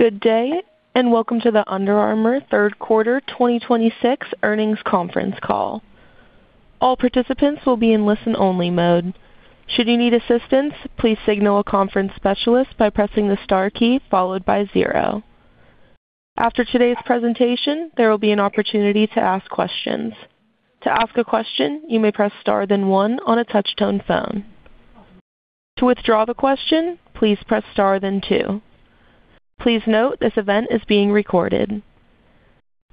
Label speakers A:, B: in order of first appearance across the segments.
A: Good day, and welcome to the Under Armour third quarter 2026 earnings conference call. All participants will be in listen-only mode. Should you need assistance, please signal a conference specialist by pressing the star key followed by zero. After today's presentation, there will be an opportunity to ask questions. To ask a question, you may press star then one on a touch-tone phone. To withdraw the question, please press star then two. Please note, this event is being recorded.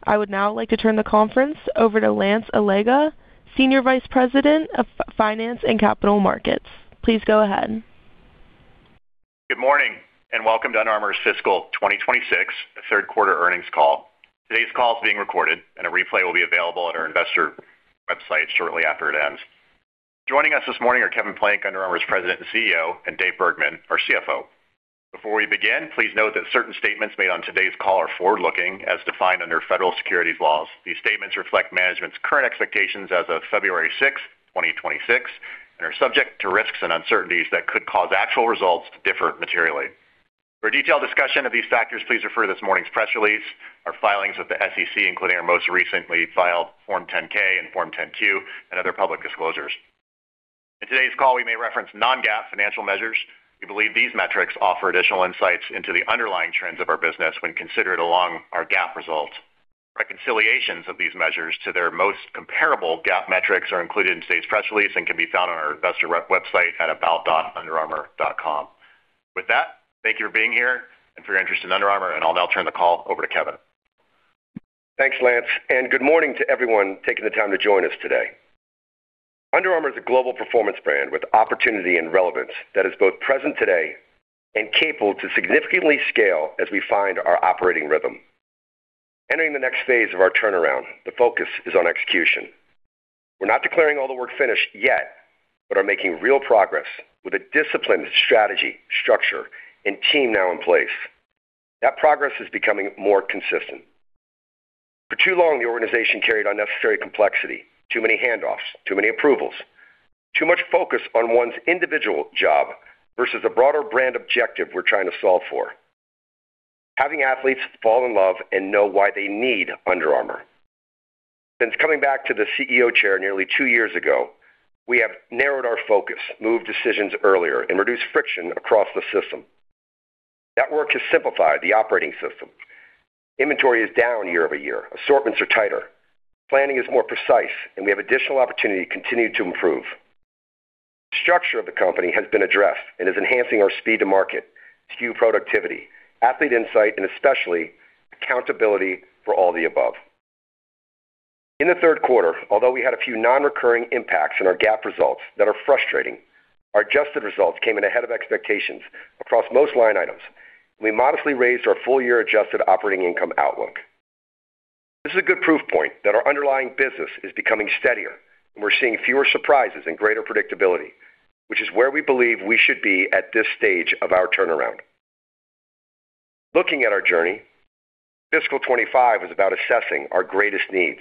A: I would now like to turn the conference over to Lance Allega, Senior Vice President of Finance and Capital Markets. Please go ahead.
B: Good morning, and welcome to Under Armour's fiscal 2026 third quarter earnings call. Today's call is being recorded, and a replay will be available at our investor website shortly after it ends. Joining us this morning are Kevin Plank, Under Armour's President and CEO, and Dave Bergman, our CFO. Before we begin, please note that certain statements made on today's call are forward-looking, as defined under federal securities laws. These statements reflect management's current expectations as of February 6, 2026, and are subject to risks and uncertainties that could cause actual results to differ materially. For a detailed discussion of these factors, please refer to this morning's press release, our filings with the SEC, including our most recently filed Form 10-K and Form 10-Q and other public disclosures. In today's call, we may reference non-GAAP financial measures. We believe these metrics offer additional insights into the underlying trends of our business when considered along our GAAP results. Reconciliations of these measures to their most comparable GAAP metrics are included in today's press release and can be found on our investor rep website at about.underarmour.com. With that, thank you for being here and for your interest in Under Armour, and I'll now turn the call over to Kevin.
C: Thanks, Lance, and good morning to everyone taking the time to join us today. Under Armour is a global performance brand with opportunity and relevance that is both present today and capable to significantly scale as we find our operating rhythm. Entering the next phase of our turnaround, the focus is on execution. We're not declaring all the work finished yet, but are making real progress with a disciplined strategy, structure, and team now in place. That progress is becoming more consistent. For too long, the organization carried unnecessary complexity, too many handoffs, too many approvals, too much focus on one's individual job versus the broader brand objective we're trying to solve for: having athletes fall in love and know why they need Under Armour. Since coming back to the CEO chair nearly two years ago, we have narrowed our focus, moved decisions earlier, and reduced friction across the system. That work has simplified the operating system. Inventory is down year-over-year. Assortments are tighter, planning is more precise, and we have additional opportunity to continue to improve. Structure of the company has been addressed and is enhancing our speed to market, SKU productivity, athlete insight, and especially accountability for all the above. In the third quarter, although we had a few non-recurring impacts on our GAAP results that are frustrating, our adjusted results came in ahead of expectations across most line items. We modestly raised our full-year adjusted operating income outlook. This is a good proof point that our underlying business is becoming steadier, and we're seeing fewer surprises and greater predictability, which is where we believe we should be at this stage of our turnaround. Looking at our journey, fiscal 25 is about assessing our greatest needs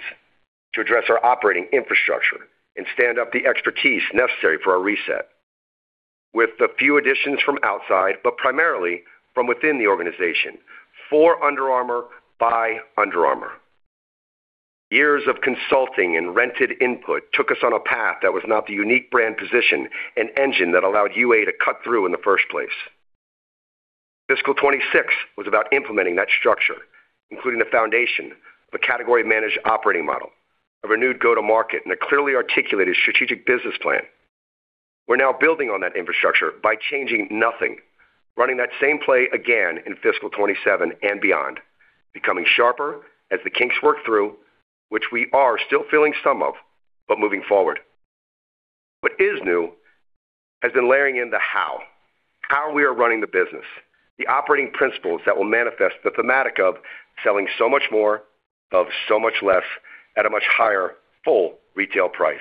C: to address our operating infrastructure and stand up the expertise necessary for our reset. With a few additions from outside, but primarily from within the organization, for Under Armour, by Under Armour. Years of consulting and rented input took us on a path that was not the unique brand position and engine that allowed UA to cut through in the first place. Fiscal 26 was about implementing that structure, including the foundation of a category managed operating model, a renewed go-to-market, and a clearly articulated strategic business plan. We're now building on that infrastructure by changing nothing, running that same play again in fiscal 27 and beyond, becoming sharper as the kinks work through, which we are still feeling some of, but moving forward. What is new has been layering in the how, how we are running the business, the operating principles that will manifest the thematic of selling so much more, of so much less at a much higher full retail price.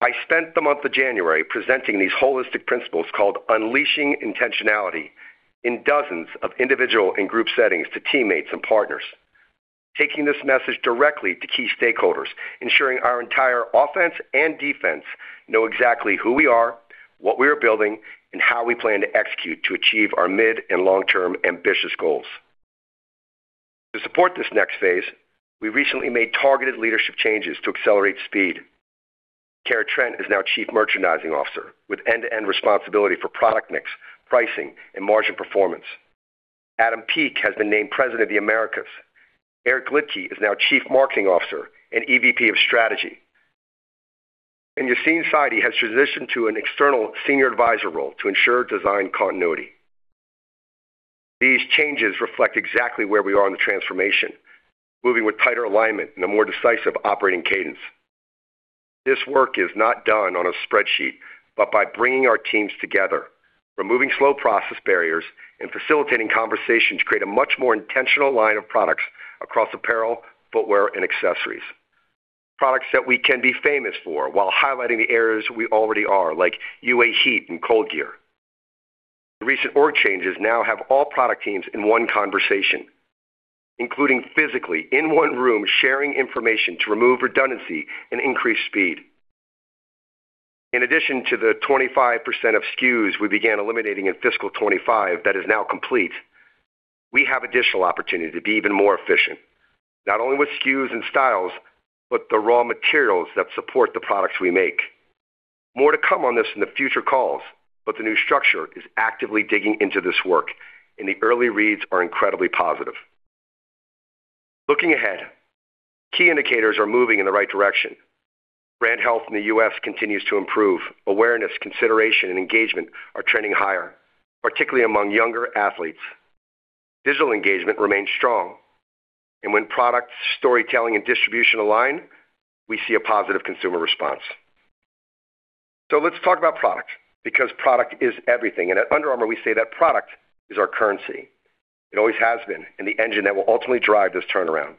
C: I spent the month of January presenting these holistic principles, called Unleashing Intentionality, in dozens of individual and group settings to teammates and partners, taking this message directly to key stakeholders, ensuring our entire offense and defense know exactly who we are, what we are building, and how we plan to execute to achieve our mid- and long-term ambitious goals. To support this next phase, we recently made targeted leadership changes to accelerate speed. Kara Trent is now Chief Merchandising Officer with end-to-end responsibility for product mix, pricing, and margin performance. Adam Peake has been named President of the Americas. Eric Liedtke is now Chief Marketing Officer and EVP of Strategy, and Yassine Saidi has transitioned to an external senior advisor role to ensure design continuity. These changes reflect exactly where we are in the transformation, moving with tighter alignment and a more decisive operating cadence. This work is not done on a spreadsheet, but by bringing our teams together, removing slow process barriers, and facilitating conversations to create a much more intentional line of products across apparel, footwear, and accessories. Products that we can be famous for while highlighting the areas we already are, like UA HeatGear and ColdGear. The recent org changes now have all product teams in one conversation, including physically in one room, sharing information to remove redundancy and increase speed. In addition to the 25% of SKUs we began eliminating in fiscal 2025, that is now complete, we have additional opportunity to be even more efficient, not only with SKUs and styles, but the raw materials that support the products we make. More to come on this in the future calls, but the new structure is actively digging into this work, and the early reads are incredibly positive. Looking ahead, key indicators are moving in the right direction. Brand health in the U.S. continues to improve. Awareness, consideration, and engagement are trending higher, particularly among younger athletes. Digital engagement remains strong, and when product, storytelling, and distribution align, we see a positive consumer response. Let's talk about product, because product is everything, and at Under Armour, we say that product is our currency. It always has been, and the engine that will ultimately drive this turnaround.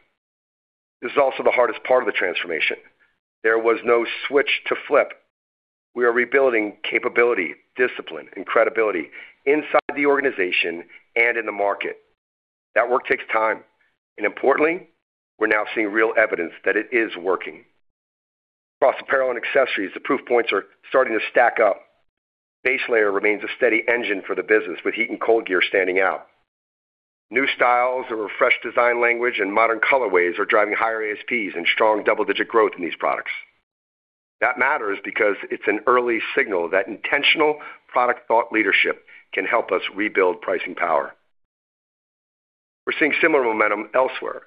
C: This is also the hardest part of the transformation. There was no switch to flip. We are rebuilding capability, discipline, and credibility inside the organization and in the market. That work takes time, and importantly, we're now seeing real evidence that it is working. Across apparel and accessories, the proof points are starting to stack up. Base layer remains a steady engine for the business, with HeatGear and ColdGear standing out. New styles or refreshed design, language, and modern colorways are driving higher ASPs and strong double-digit growth in these products. That matters because it's an early signal that intentional product thought leadership can help us rebuild pricing power. We're seeing similar momentum elsewhere.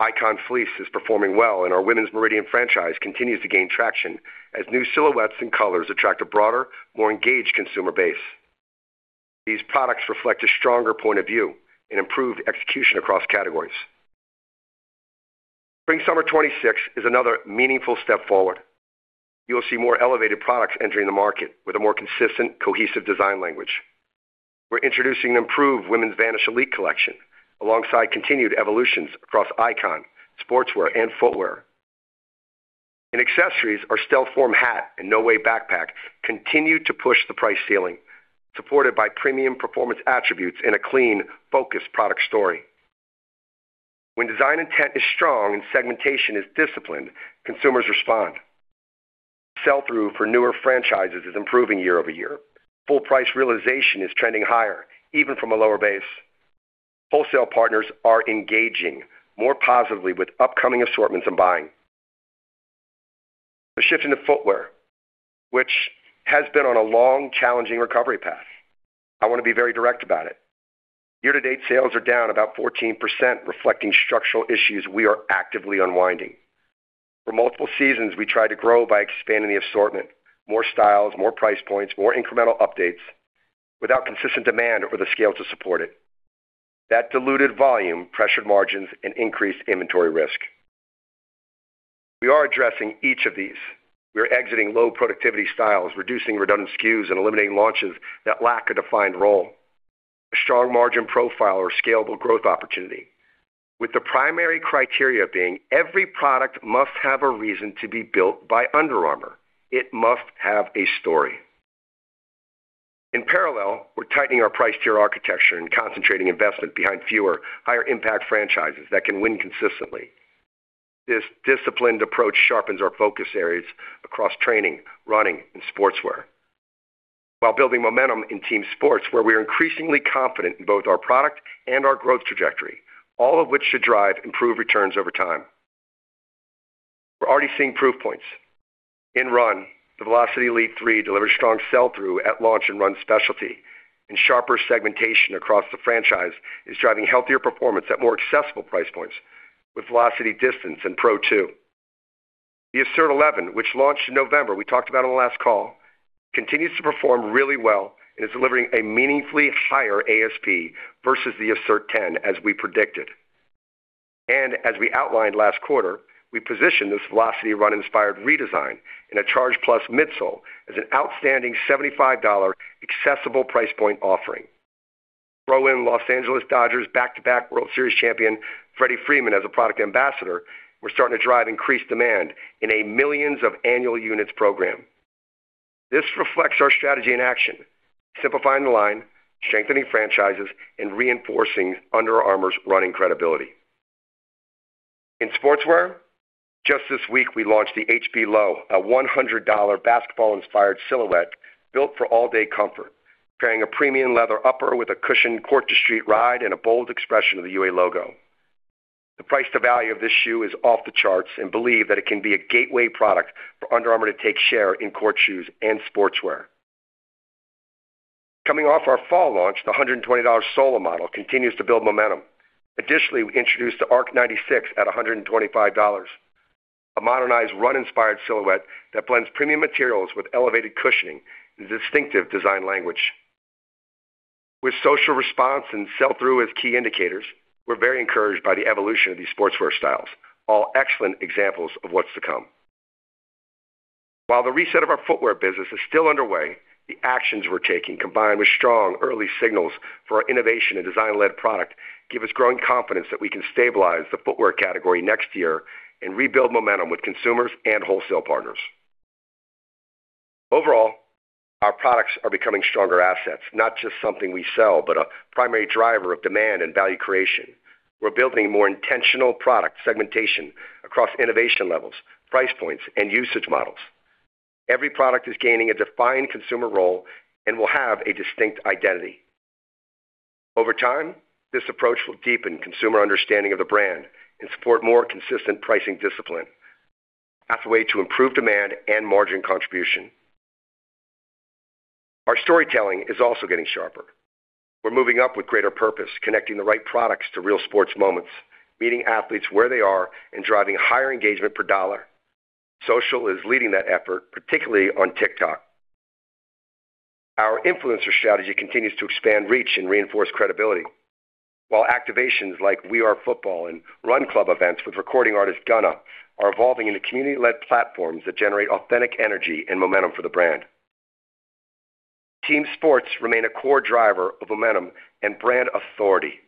C: Icon Fleece is performing well, and our Women's Meridian franchise continues to gain traction as new silhouettes and colors attract a broader, more engaged consumer base. These products reflect a stronger point of view and improved execution across categories. Spring-Summer 2026 is another meaningful step forward. You'll see more elevated products entering the market with a more consistent, cohesive design language. We're introducing an improved Women's Vanish Elite collection, alongside continued evolutions across Icon, sportswear, and footwear. In accessories, our StealthForm hat and No Way backpack continue to push the price ceiling, supported by premium performance attributes in a clean, focused product story. When design intent is strong and segmentation is disciplined, consumers respond. Sell-through for newer franchises is improving year-over-year. Full price realization is trending higher, even from a lower base. Wholesale partners are engaging more positively with upcoming assortments and buying. A shift into footwear, which has been on a long, challenging recovery path. I want to be very direct about it. Year-to-date sales are down about 14%, reflecting structural issues we are actively unwinding. For multiple seasons, we tried to grow by expanding the assortment, more styles, more price points, more incremental updates, without consistent demand or the scale to support it. That diluted volume, pressured margins, and increased inventory risk. We are addressing each of these. We are exiting low productivity styles, reducing redundant SKUs, and eliminating launches that lack a defined role, a strong margin profile, or scalable growth opportunity, with the primary criteria being every product must have a reason to be built by Under Armour. It must have a story. In parallel, we're tightening our price tier architecture and concentrating investment behind fewer, higher-impact franchises that can win consistently. This disciplined approach sharpens our focus areas across training, running, and sportswear, while building momentum in team sports, where we are increasingly confident in both our product and our growth trajectory, all of which should drive improved returns over time. We're already seeing proof points. In Run, the Velociti Elite 3 delivers strong sell-through at launch and Run Specialty, and sharper segmentation across the franchise is driving healthier performance at more accessible price points with Velociti, Distance, and Pro 2. The Assert 11, which launched in November, we talked about on the last call, continues to perform really well and is delivering a meaningfully higher ASP versus the Assert 10, as we predicted. And as we outlined last quarter, we positioned this Velociti Run-inspired redesign in a Charged Plus midsole as an outstanding $75 accessible price point offering. Throw in Los Angeles Dodgers back-to-back World Series champion, Freddie Freeman, as a product ambassador, we're starting to drive increased demand in a million of annual units' program. This reflects our strategy in action, simplifying the line, strengthening franchises, and reinforcing Under Armour's running credibility. In sportswear, just this week, we launched the HB Low, a $100 basketball-inspired silhouette built for all-day comfort, carrying a premium leather upper with a cushioned court-to-street ride and a bold expression of the UA logo. The price to value of this shoe is off the charts and believe that it can be a gateway product for Under Armour to take share in court shoes and sportswear. Coming off our fall launch, the $120 Sola model continues to build momentum. Additionally, we introduced the Arc 96 at $125, a modernized, run-inspired silhouette that blends premium materials with elevated cushioning and distinctive design language. With social response and sell-through as key indicators, we're very encouraged by the evolution of these sportswear styles, all excellent examples of what's to come. While the reset of our footwear business is still underway, the actions we're taking, combined with strong early signals for our innovation and design-led product, give us growing confidence that we can stabilize the footwear category next year and rebuild momentum with consumers and wholesale partners. Over to-... Our products are becoming stronger assets, not just something we sell, but a primary driver of demand and value creation. We're building more intentional product segmentation across innovation levels, price points, and usage models. Every product is gaining a defined consumer role and will have a distinct identity. Over time, this approach will deepen consumer understanding of the brand and support more consistent pricing discipline. That's the way to improve demand and margin contribution. Our storytelling is also getting sharper. We're moving up with greater purpose, connecting the right products to real sports moments, meeting athletes where they are, and driving higher engagement per dollar. Social is leading that effort, particularly on TikTok. Our influencer strategy continues to expand reach and reinforce credibility, while activations like We Are Football and Run Club events with recording artist Gunna are evolving into community-led platforms that generate authentic energy and momentum for the brand. Team sports remain a core driver of momentum and brand authority.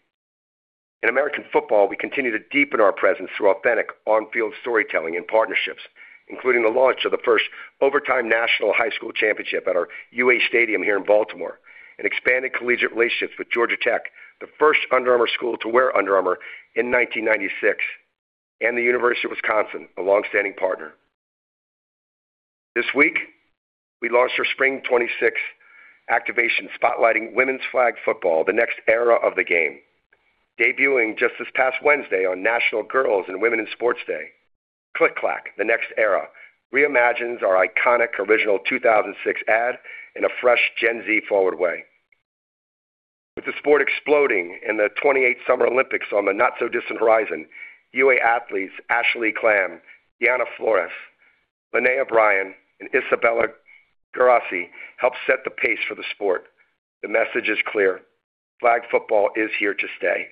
C: In American football, we continue to deepen our presence through authentic on-field storytelling and partnerships, including the launch of the first Overtime National High School Championship at our UA Stadium here in Baltimore, and expanded collegiate relationships with Georgia Tech, the first Under Armour school to wear Under Armour in 1996, and the University of Wisconsin, a long-standing partner. This week, we launched our Spring 2026 activation, spotlighting women's flag football, the next era of the game. Debuting just this past Wednesday on National Girls and Women in Sports Day, Click-Clack, the next era, reimagines our iconic original 2006 ad in a fresh Gen Z forward way. With the sport exploding in the 2028 Summer Olympics on the not-so-distant horizon, UA athletes Ashlea Klam, Diana Flores, Laneah Bryan, and Isabella Geraci helped set the pace for the sport. The message is clear: flag football is here to stay.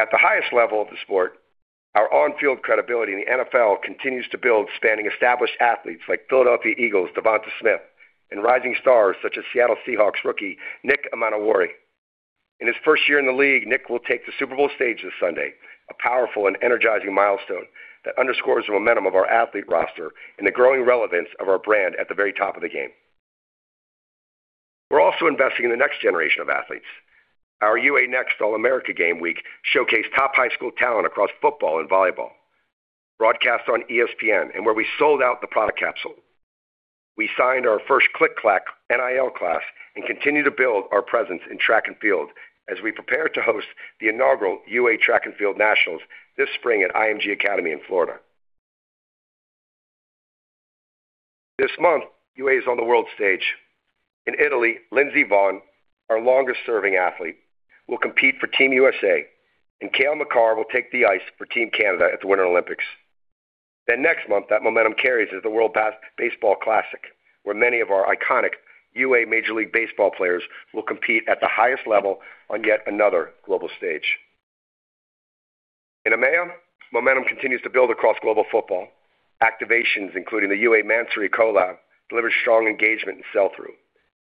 C: At the highest level of the sport, our on-field credibility in the NFL continues to build, spanning established athletes like Philadelphia Eagles, DeVonta Smith, and rising stars such as Seattle Seahawks rookie, Nick Emmanwori. In his first year in the league, Nick will take the Super Bowl stage this Sunday, a powerful and energizing milestone that underscores the momentum of our athlete roster and the growing relevance of our brand at the very top of the game. We're also investing in the next generation of athletes. Our UA Next All-America Game Week showcased top high school talent across football and volleyball, broadcast on ESPN, and where we sold out the product capsule. We signed our first Click-Clack NIL class and continued to build our presence in track and field as we prepare to host the inaugural UA Track and Field Nationals this spring at IMG Academy in Florida. This month, UA is on the world stage. In Italy, Lindsey Vonn, our longest-serving athlete, will compete for Team USA, and Cale Makar will take the ice for Team Canada at the Winter Olympics. Then next month, that momentum carries as the World Baseball Classic, where many of our iconic UA Major League Baseball players will compete at the highest level on yet another global stage. In EMEA, momentum continues to build across global football. Activations, including the UA Mansory collab, delivered strong engagement and sell-through.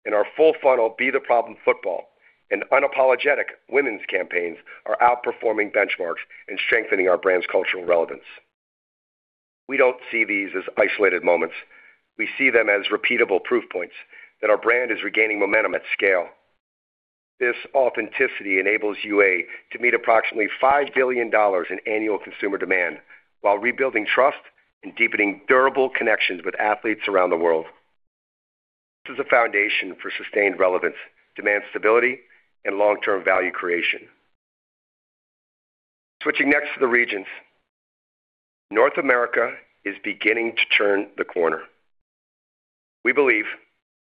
C: In our full funnel, Be The Problem football and Unapologetic women's campaigns are outperforming benchmarks and strengthening our brand's cultural relevance. We don't see these as isolated moments. We see them as repeatable proof points that our brand is regaining momentum at scale. This authenticity enables UA to meet approximately $5 billion in annual consumer demand while rebuilding trust and deepening durable connections with athletes around the world. This is a foundation for sustained relevance, demand stability, and long-term value creation. Switching next to the regions. North America is beginning to turn the corner. We believe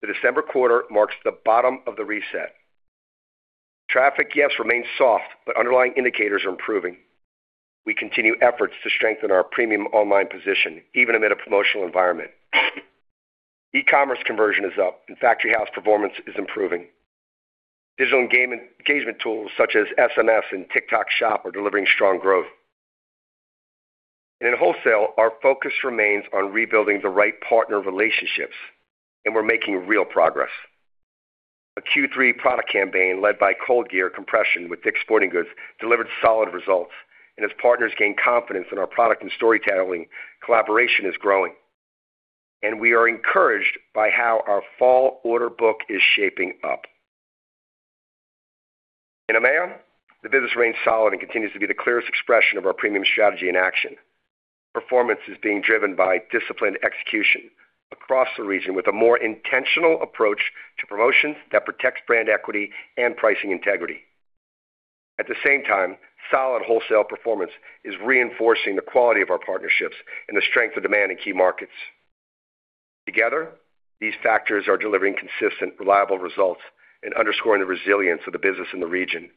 C: the December quarter marks the bottom of the reset. Traffic, yes, remains soft, but underlying indicators are improving. We continue efforts to strengthen our premium online position, even amid a promotional environment. E-commerce conversion is up and Factory House performance is improving. Digital engagement tools such as SMS and TikTok Shop are delivering strong growth. And in wholesale, our focus remains on rebuilding the right partner relationships, and we're making real progress. A Q3 product campaign led by ColdGear Compression with Dick's Sporting Goods delivered solid results, and as partners gain confidence in our product and storytelling, collaboration is growing, and we are encouraged by how our fall order book is shaping up. In EMEA, the business remains solid and continues to be the clearest expression of our premium strategy in action. Performance is being driven by disciplined execution across the region with a more intentional approach to promotions that protects brand equity and pricing integrity. At the same time, solid wholesale performance is reinforcing the quality of our partnerships and the strength of demand in key markets. Together, these factors are delivering consistent, reliable results and underscoring the resilience of the business in the region.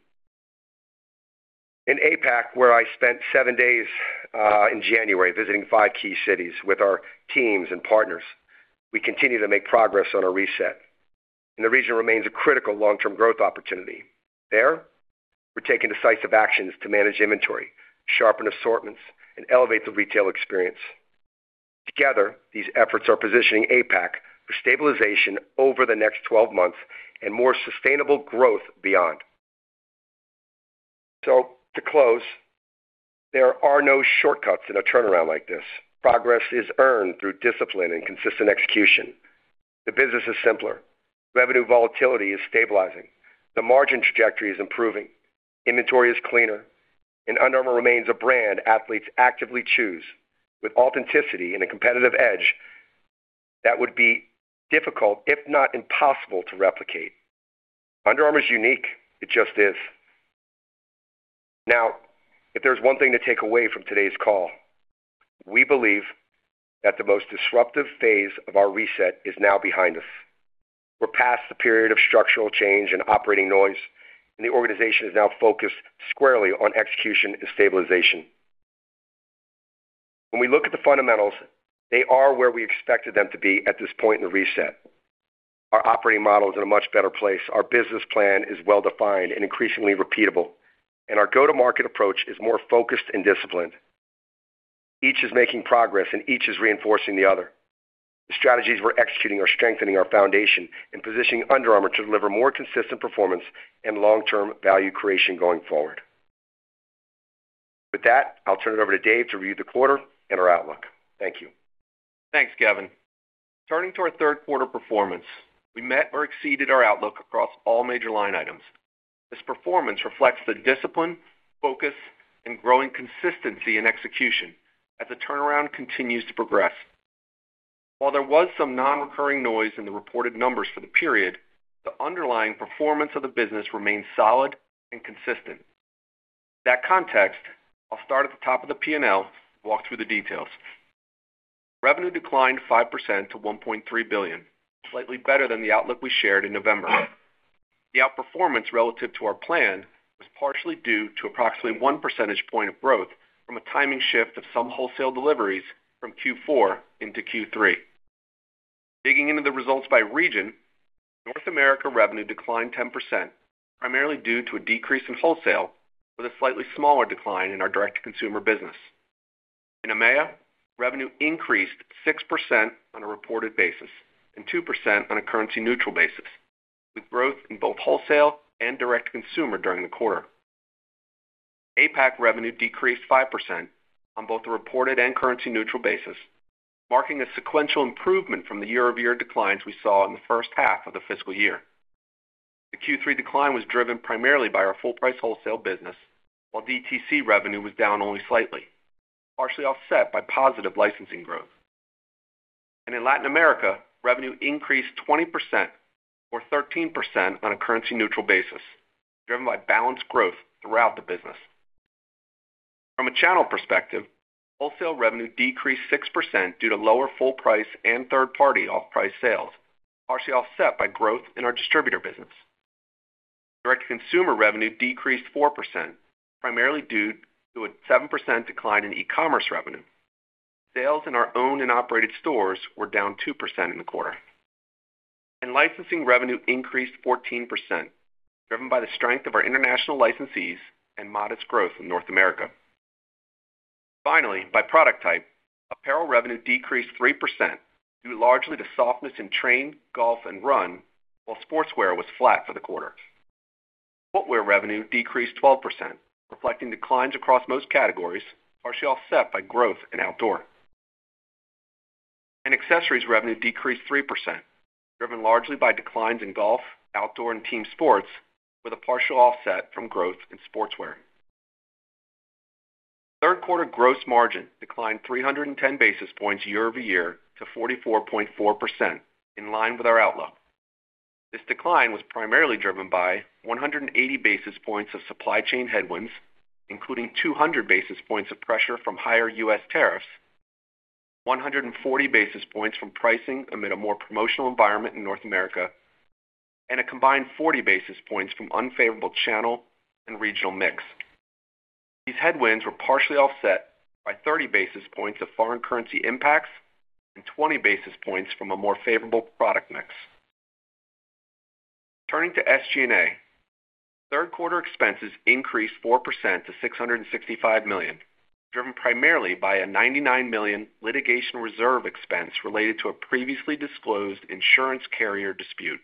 C: In APAC, where I spent seven days in January, visiting five key cities with our teams and partners, we continue to make progress on our reset, and the region remains a critical long-term growth opportunity. There, we're taking decisive actions to manage inventory, sharpen assortments, and elevate the retail experience. Together, these efforts are positioning APAC for stabilization over the next 12 months and more sustainable growth beyond... So, to close, there are no shortcuts in a turnaround like this. Progress is earned through discipline and consistent execution. The business is simpler, revenue volatility is stabilizing, the margin trajectory is improving, inventory is cleaner, and Under Armour remains a brand athlete actively choose, with authenticity and a competitive edge that would be difficult, if not impossible, to replicate. Under Armour is unique. It just is. Now, if there's one thing to take away from today's call, we believe that the most disruptive phase of our reset is now behind us. We're past the period of structural change and operating noise, and the organization is now focused squarely on execution and stabilization. When we look at the fundamentals, they are where we expected them to be at this point in the reset. Our operating model is in a much better place, our business plan is well-defined and increasingly repeatable, and our go-to-market approach is more focused and disciplined. Each is making progress and each is reinforcing the other. The strategies we're executing are strengthening our foundation and positioning Under Armour to deliver more consistent performance and long-term value creation going forward. With that, I'll turn it over to Dave to review the quarter and our outlook. Thank you.
D: Thanks, Kevin. Turning to our third quarter performance, we met or exceeded our outlook across all major line items. This performance reflects the discipline, focus, and growing consistency in execution as the turnaround continues to progress. While there was some non-recurring noise in the reported numbers for the period, the underlying performance of the business remains solid and consistent. In that context, I'll start at the top of the P&L, walk through the details. Revenue declined 5% to $1.3 billion, slightly better than the outlook we shared in November. The outperformance relative to our plan was partially due to approximately 1 percentage point of growth from a timing shift of some wholesale deliveries from Q4 into Q3. Digging into the results by region, North America revenue declined 10%, primarily due to a decrease in wholesale, with a slightly smaller decline in our direct-to-consumer business. In EMEA, revenue increased 6% on a reported basis and 2% on a currency-neutral basis, with growth in both wholesale and direct-to-consumer during the quarter. APAC revenue decreased 5% on both the reported and currency-neutral basis, marking a sequential improvement from the year-over-year declines we saw in the first half of the fiscal year. The Q3 decline was driven primarily by our full-price wholesale business, while DTC revenue was down only slightly, partially offset by positive licensing growth. In Latin America, revenue increased 20% or 13% on a currency-neutral basis, driven by balanced growth throughout the business. From a channel perspective, wholesale revenue decreased 6% due to lower full price and third-party off-price sales, partially offset by growth in our distributor business. Direct-to-consumer revenue decreased 4%, primarily due to a 7% decline in e-commerce revenue. Sales in our own and operated stores were down 2% in the quarter. Licensing revenue increased 14%, driven by the strength of our international licensees and modest growth in North America. Finally, by product type, apparel revenue decreased 3%, due largely to softness in train, golf, and run, while sportswear was flat for the quarter. Footwear revenue decreased 12%, reflecting declines across most categories, partially offset by growth in outdoor. Accessories revenue decreased 3%, driven largely by declines in golf, outdoor, and team sports, with a partial offset from growth in sportswear. Third quarter gross margin declined 310 basis points year over year to 44.4%, in line with our outlook. This decline was primarily driven by 180 basis points of supply chain headwinds, including 200 basis points of pressure from higher U.S. tariffs, 140 basis points from pricing amid a more promotional environment in North America, and a combined 40 basis points from unfavorable channel and regional mix. These headwinds were partially offset by 30 basis points of foreign currency impacts and 20 basis points from a more favorable product mix. Turning to SG&A, third quarter expenses increased 4% to $665 million, driven primarily by a $99 million litigation reserve expense related to a previously disclosed insurance carrier dispute.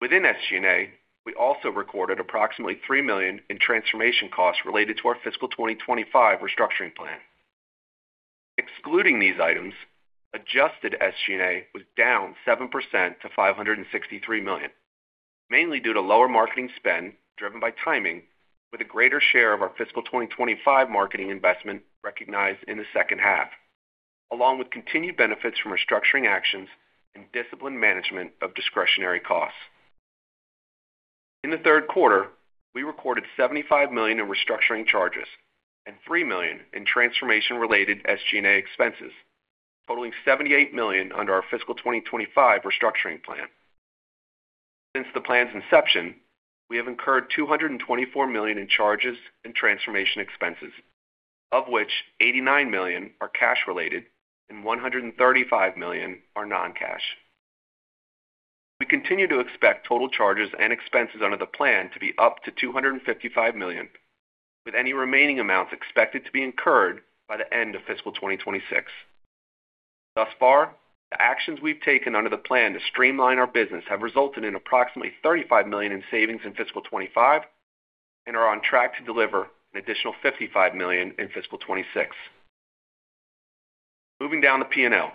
D: Within SG&A, we also recorded approximately $3 million in transformation costs related to our fiscal 2025 restructuring plan. Excluding these items, adjusted SG&A was down 7% to $563 million, mainly due to lower marketing spend, driven by timing, with a greater share of our fiscal 2025 marketing investment recognized in the second half, along with continued benefits from restructuring actions and disciplined management of discretionary costs. In the third quarter, we recorded $75 million in restructuring charges and $3 million in transformation-related SG&A expenses, totaling $78 million under our fiscal 2025 restructuring plan. Since the plan's inception, we have incurred $224 million in charges and transformation expenses, of which $89 million are cash related and $135 million are non-cash. We continue to expect total charges and expenses under the plan to be up to $255 million, with any remaining amounts expected to be incurred by the end of fiscal 2026. Thus far, the actions we've taken under the plan to streamline our business have resulted in approximately $35 million in savings in fiscal 2025, and are on track to deliver an additional $55 million in fiscal 2026. Moving down to P&L,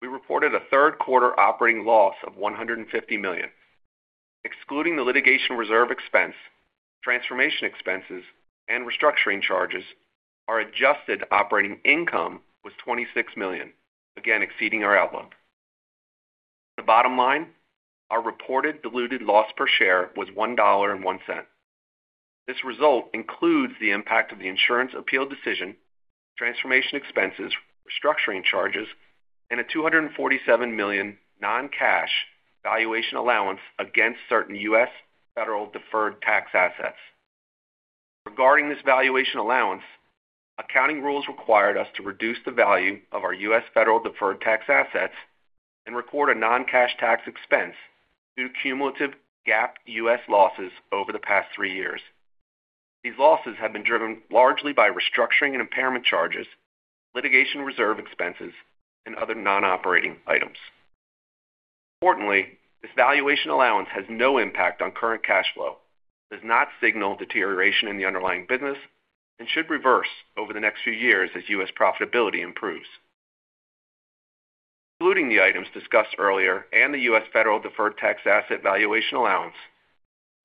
D: we reported a third quarter operating loss of $150 million. Excluding the litigation reserve expense, transformation expenses, and restructuring charges, our adjusted operating income was $26 million, again exceeding our outlook. The bottom line, our reported diluted loss per share was $1.01. This result includes the impact of the insurance appeal decision, transformation expenses, restructuring charges, and a $247 million non-cash valuation allowance against certain U.S. federal deferred tax assets. Regarding this valuation allowance, accounting rules required us to reduce the value of our U.S. federal deferred tax assets and record a non-cash tax expense due to cumulative GAAP U.S. losses over the past three years. These losses have been driven largely by restructuring and impairment charges, litigation reserve expenses, and other non-operating items. Importantly, this valuation allowance has no impact on current cash flow, does not signal deterioration in the underlying business, and should reverse over the next few years as U.S. profitability improves. Excluding the items discussed earlier and the U.S. federal deferred tax asset valuation allowance,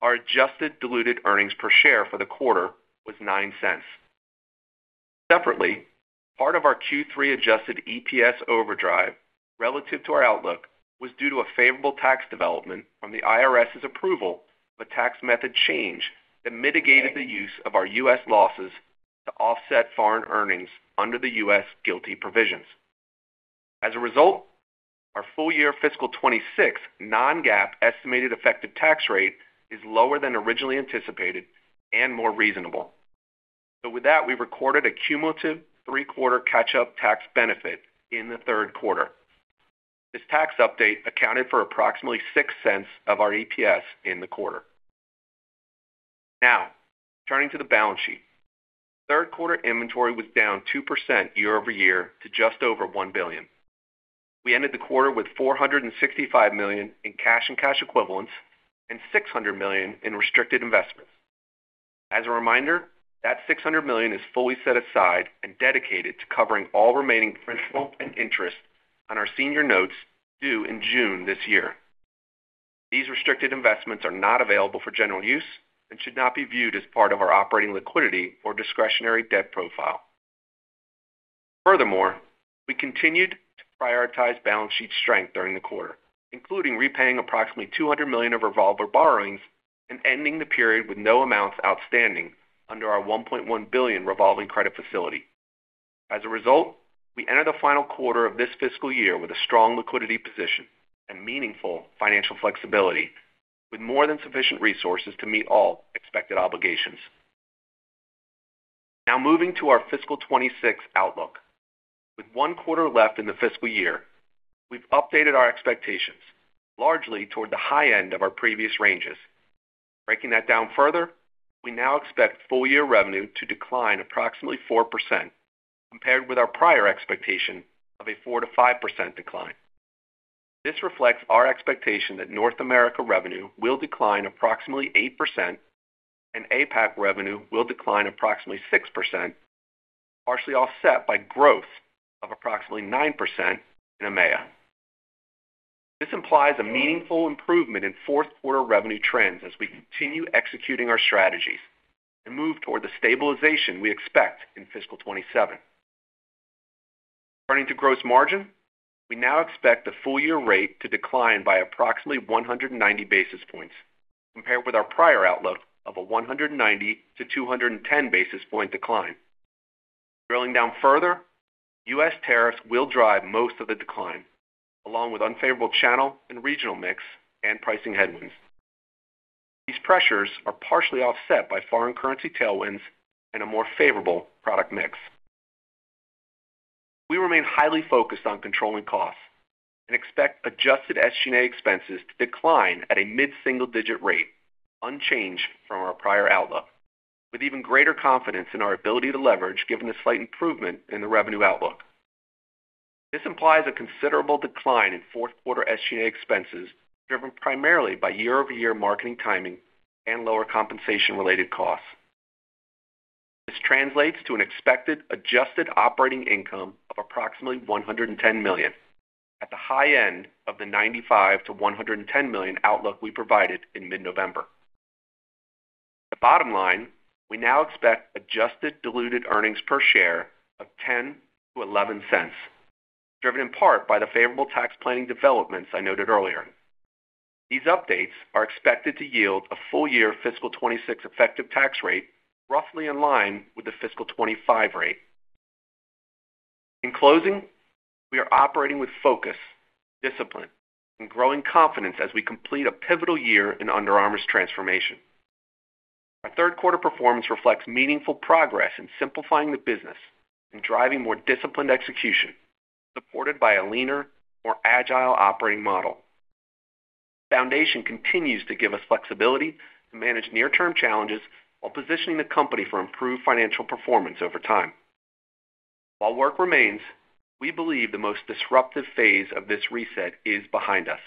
D: our adjusted diluted earnings per share for the quarter was $0.09. Separately, part of our Q3 adjusted EPS overdrive relative to our outlook was due to a favorable tax development from the IRS's approval of a tax method change that mitigated the use of our U.S. losses to offset foreign earnings under the U.S. GILTI provisions. As a result, our full-year fiscal 2026 non-GAAP estimated effective tax rate is lower than originally anticipated and more reasonable. So with that, we recorded a cumulative three-quarter catch-up tax benefit in the third quarter. This tax update accounted for approximately $0.06 of our EPS in the quarter. Now, turning to the balance sheet. Third quarter inventory was down 2% year-over-year to just over $1 billion. We ended the quarter with $465 million in cash and cash equivalents and $600 million in restricted investments. As a reminder, that $600 million is fully set aside and dedicated to covering all remaining principal and interest on our senior notes due in June this year. These restricted investments are not available for general use and should not be viewed as part of our operating liquidity or discretionary debt profile. Furthermore, we continued to prioritize balance sheet strength during the quarter, including repaying approximately $200 million of revolver borrowings and ending the period with no amounts outstanding under our $1.1 billion revolving credit facility. As a result, we entered the final quarter of this fiscal year with a strong liquidity position and meaningful financial flexibility, with more than sufficient resources to meet all expected obligations. Now moving to our fiscal 2026 outlook. With one quarter left in the fiscal year, we've updated our expectations largely toward the high end of our previous ranges. Breaking that down further, we now expect full-year revenue to decline approximately 4%, compared with our prior expectation of a 4%-5% decline. This reflects our expectation that North America revenue will decline approximately 8% and APAC revenue will decline approximately 6%, partially offset by growth of approximately 9% in EMEA. This implies a meaningful improvement in fourth quarter revenue trends as we continue executing our strategies and move toward the stabilization we expect in fiscal 2027. Turning to gross margin, we now expect the full-year rate to decline by approximately 190 basis points, compared with our prior outlook of a 190-210 basis point decline. Drilling down further, U.S. tariffs will drive most of the decline, along with unfavorable channel and regional mix and pricing headwinds. These pressures are partially offset by foreign currency tailwinds and a more favorable product mix. We remain highly focused on controlling costs and expect adjusted SG&A expenses to decline at a mid-single-digit rate, unchanged from our prior outlook, with even greater confidence in our ability to leverage, given the slight improvement in the revenue outlook. This implies a considerable decline in fourth quarter SG&A expenses, driven primarily by year-over-year marketing timing and lower compensation-related costs. This translates to an expected adjusted operating income of approximately $110 million, at the high end of the $95-$110 million outlook we provided in mid-November. The bottom line, we now expect adjusted diluted earnings per share of $0.10-$0.11, driven in part by the favorable tax planning developments I noted earlier. These updates are expected to yield a full-year fiscal 2026 effective tax rate, roughly in line with the fiscal 2025 rate. In closing, we are operating with focus, discipline, and growing confidence as we complete a pivotal year in Under Armour's transformation. Our third quarter performance reflects meaningful progress in simplifying the business and driving more disciplined execution, supported by a leaner, more agile operating model.... foundation continues to give us flexibility to manage near-term challenges while positioning the company for improved financial performance over time. While work remains, we believe the most disruptive phase of this reset is behind us,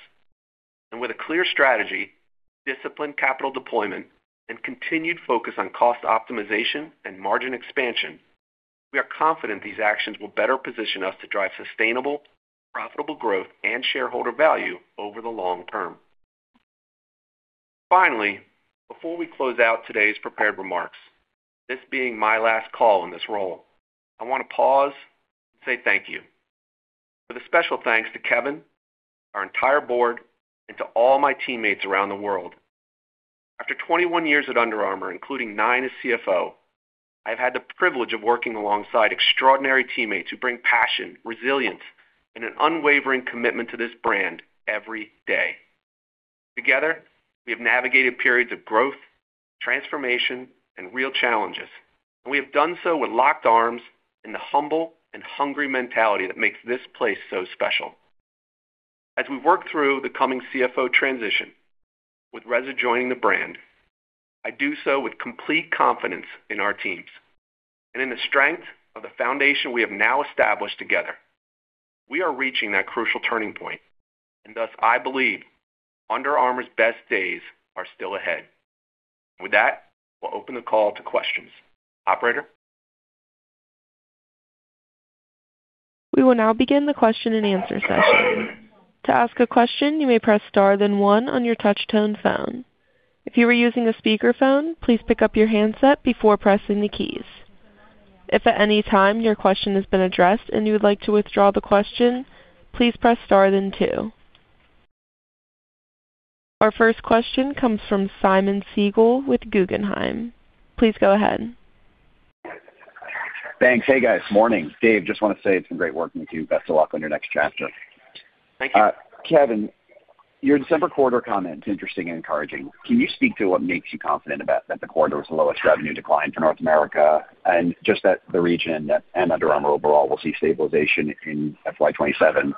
D: and with a clear strategy, disciplined capital deployment, and continued focus on cost optimization and margin expansion, we are confident these actions will better position us to drive sustainable, profitable growth and shareholder value over the long term. Finally, before we close out today's prepared remarks, this being my last call in this role, I want to pause and say thank you. With a special thanks to Kevin, our entire board, and to all my teammates around the world. After 21 years at Under Armour, including nine as CFO, I've had the privilege of working alongside extraordinary teammates who bring passion, resilience, and an unwavering commitment to this brand every day. Together, we have navigated periods of growth, transformation, and real challenges, and we have done so with locked arms in the humble and hungry mentality that makes this place so special. As we work through the coming CFO transition, with Reza joining the brand, I do so with complete confidence in our teams and in the strength of the foundation we have now established together. We are reaching that crucial turning point, and thus, I believe Under Armour's best days are still ahead. With that, we'll open the call to questions. Operator?
A: We will now begin the question and answer session. To ask a question, you may press Star, then one on your touch-tone phone. If you are using a speakerphone, please pick up your handset before pressing the keys. If at any time your question has been addressed and you would like to withdraw the question, please press Star then two. Our first question comes from Simeon Siegel with Guggenheim. Please go ahead.
E: Thanks. Hey, guys. Morning. Dave, just want to say it's been great working with you. Best of luck on your next chapter.
D: Thank you.
E: Kevin, your December quarter comment is interesting and encouraging. Can you speak to what makes you confident about that the quarter was the lowest revenue decline for North America, and just that the region and Under Armour overall will see stabilization in FY 2027?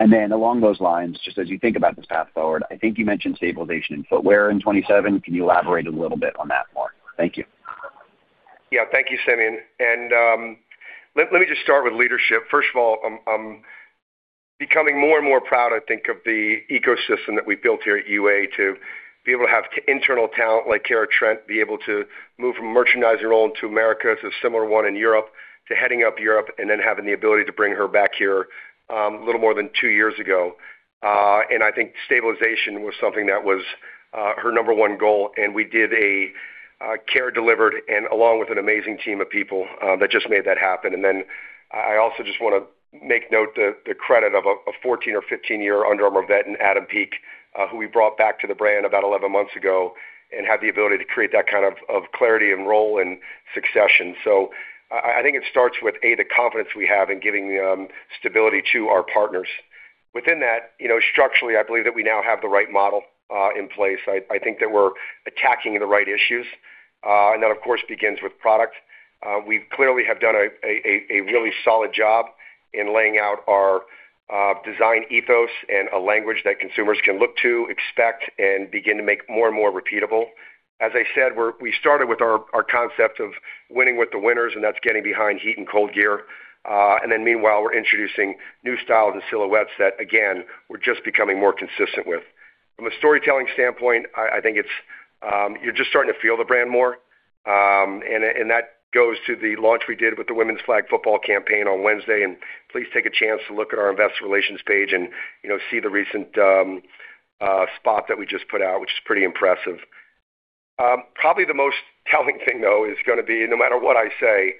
E: And then along those lines, just as you think about this path forward, I think you mentioned stabilization in footwear in 2027. Can you elaborate a little bit on that more? Thank you.
C: Yeah. Thank you, Simon. And let me just start with leadership. First of all, I'm becoming more and more proud, I think, of the ecosystem that we've built here at UA to be able to have internal talent like Kara Trent, be able to move from a merchandiser role into Americas, to a similar one in Europe, to heading up Europe, and then having the ability to bring her back here, a little more than two years ago. And I think stabilization was something that was her number one goal, and we did a care delivered and along with an amazing team of people, that just made that happen. And then I also just want to make note of the credit to a 14- or 15-year Under Armour vet and Adam Peake, who we brought back to the brand about 11 months ago and had the ability to create that kind of clarity and role in succession. So, I think it starts with the confidence we have in giving stability to our partners. Within that, you know, structurally, I believe that we now have the right model in place. I think that we're attacking the right issues, and that, of course, begins with product. We clearly have done a really solid job in laying out our design ethos and a language that consumers can look to, expect, and begin to make more and more repeatable. As I said, we started with our concept of winning with the winners, and that's getting behind heat and cold gear. And then meanwhile, we're introducing new styles and silhouettes that, again, we're just becoming more consistent with. From a storytelling standpoint, I think it's you're just starting to feel the brand more, and that goes to the launch we did with the Women's Flag Football campaign on Wednesday, and please take a chance to look at our investor relations page and, you know, see the recent spot that we just put out, which is pretty impressive. Probably the most telling thing, though, is gonna be, no matter what I say,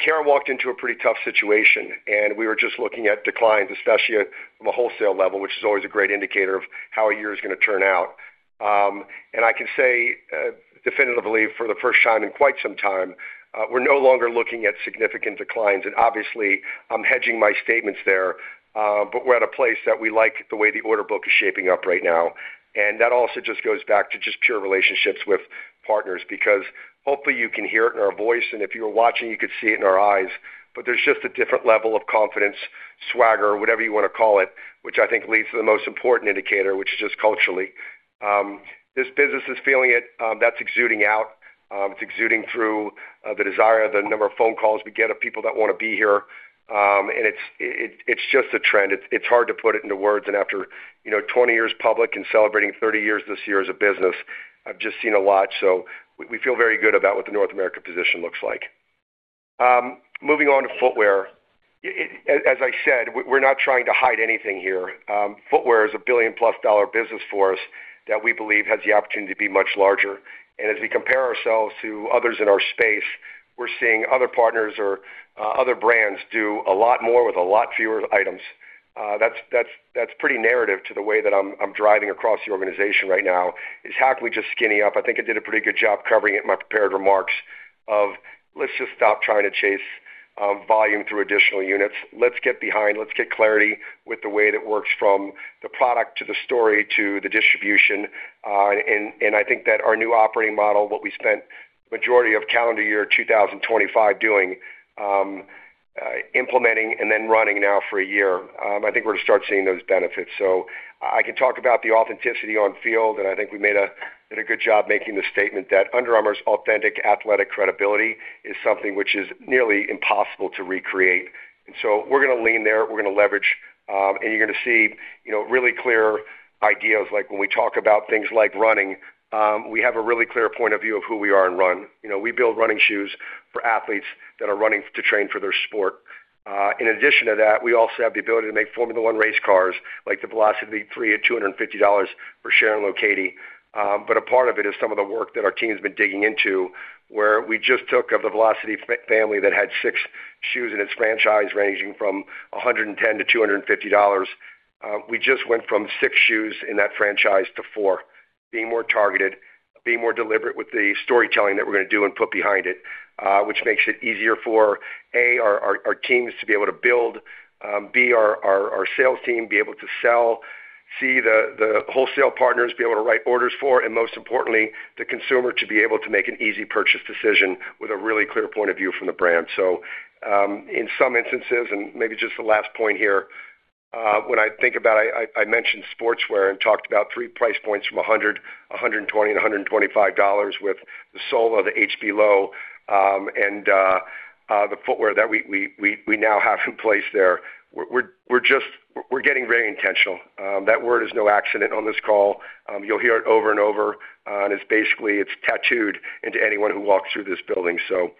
C: Kara walked into a pretty tough situation, and we were just looking at declines, especially from a wholesale level, which is always a great indicator of how a year is gonna turn out. And I can say, definitively, for the first time in quite some time, we're no longer looking at significant declines. And obviously, I'm hedging my statements there, but we're at a place that we like the way the order book is shaping up right now. That also just goes back to just pure relationships with partners, because hopefully, you can hear it in our voice, and if you were watching, you could see it in our eyes, but there's just a different level of confidence, swagger, whatever you wanna call it, which I think leads to the most important indicator, which is just culturally. This business is feeling it, that's exuding out. It's exuding through the desire, the number of phone calls we get of people that wanna be here. And it's just a trend. It's hard to put it into words. And after, you know, 20 years public and celebrating 30 years this year as a business, I've just seen a lot. So, we feel very good about what the North America position looks like. Moving on to footwear. As I said, we're not trying to hide anything here. Footwear is a $1 billion-plus business for us that we believe has the opportunity to be much larger. And as we compare ourselves to others in our space, we're seeing other partners or other brands do a lot more with a lot fewer items. That's pretty narrative to the way that I'm driving across the organization right now, is how can we just skinny up? I think I did a pretty good job covering it in my prepared remarks of let's just stop trying to chase volume through additional units. Let's get behind, let's get clarity with the way it works from the product, to the story, to the distribution-... I think that our new operating model, what we spent majority of calendar year 2025 doing, implementing and then running now for a year, I think we're gonna start seeing those benefits. So, I can talk about the authenticity on field, and I think we did a good job making the statement that Under Armour's authentic athletic credibility is something which is nearly impossible to recreate. And so, we're gonna lean there, we're gonna leverage, and you're gonna see, you know, really clear ideas, like when we talk about things like running, we have a really clear point of view of who we are in run. You know, we build running shoes for athletes that are running to train for their sport. In addition to that, we also have the ability to make Formula One race cars, like the Velociti 3 at $250 for Sharon Lokedi. But a part of it is some of the work that our team has been digging into, where we just took off the Velociti family that had six shoes in its franchise, ranging from $110 to $250. We just went from 6 shoes in that franchise to 4, being more targeted, being more deliberate with the storytelling that we're gonna do and put behind it, which makes it easier for, A, our, our, our teams to be able to build, B, our, our, our sales team, be able to sell, C, the, the wholesale partners be able to write orders for, and most importantly, the consumer to be able to make an easy purchase decision with a really clear point of view from the brand. So, in some instances, and maybe just the last point here, when I think about, I mentioned sportswear and talked about three price points from $100, $120 to $125 with the Sola of the HB Low, and the footwear that we now have in place there. We're just getting very intentional. That word is no accident on this call. You'll hear it over and over, and it's basically, it's tattooed into anyone who walks through this building. So,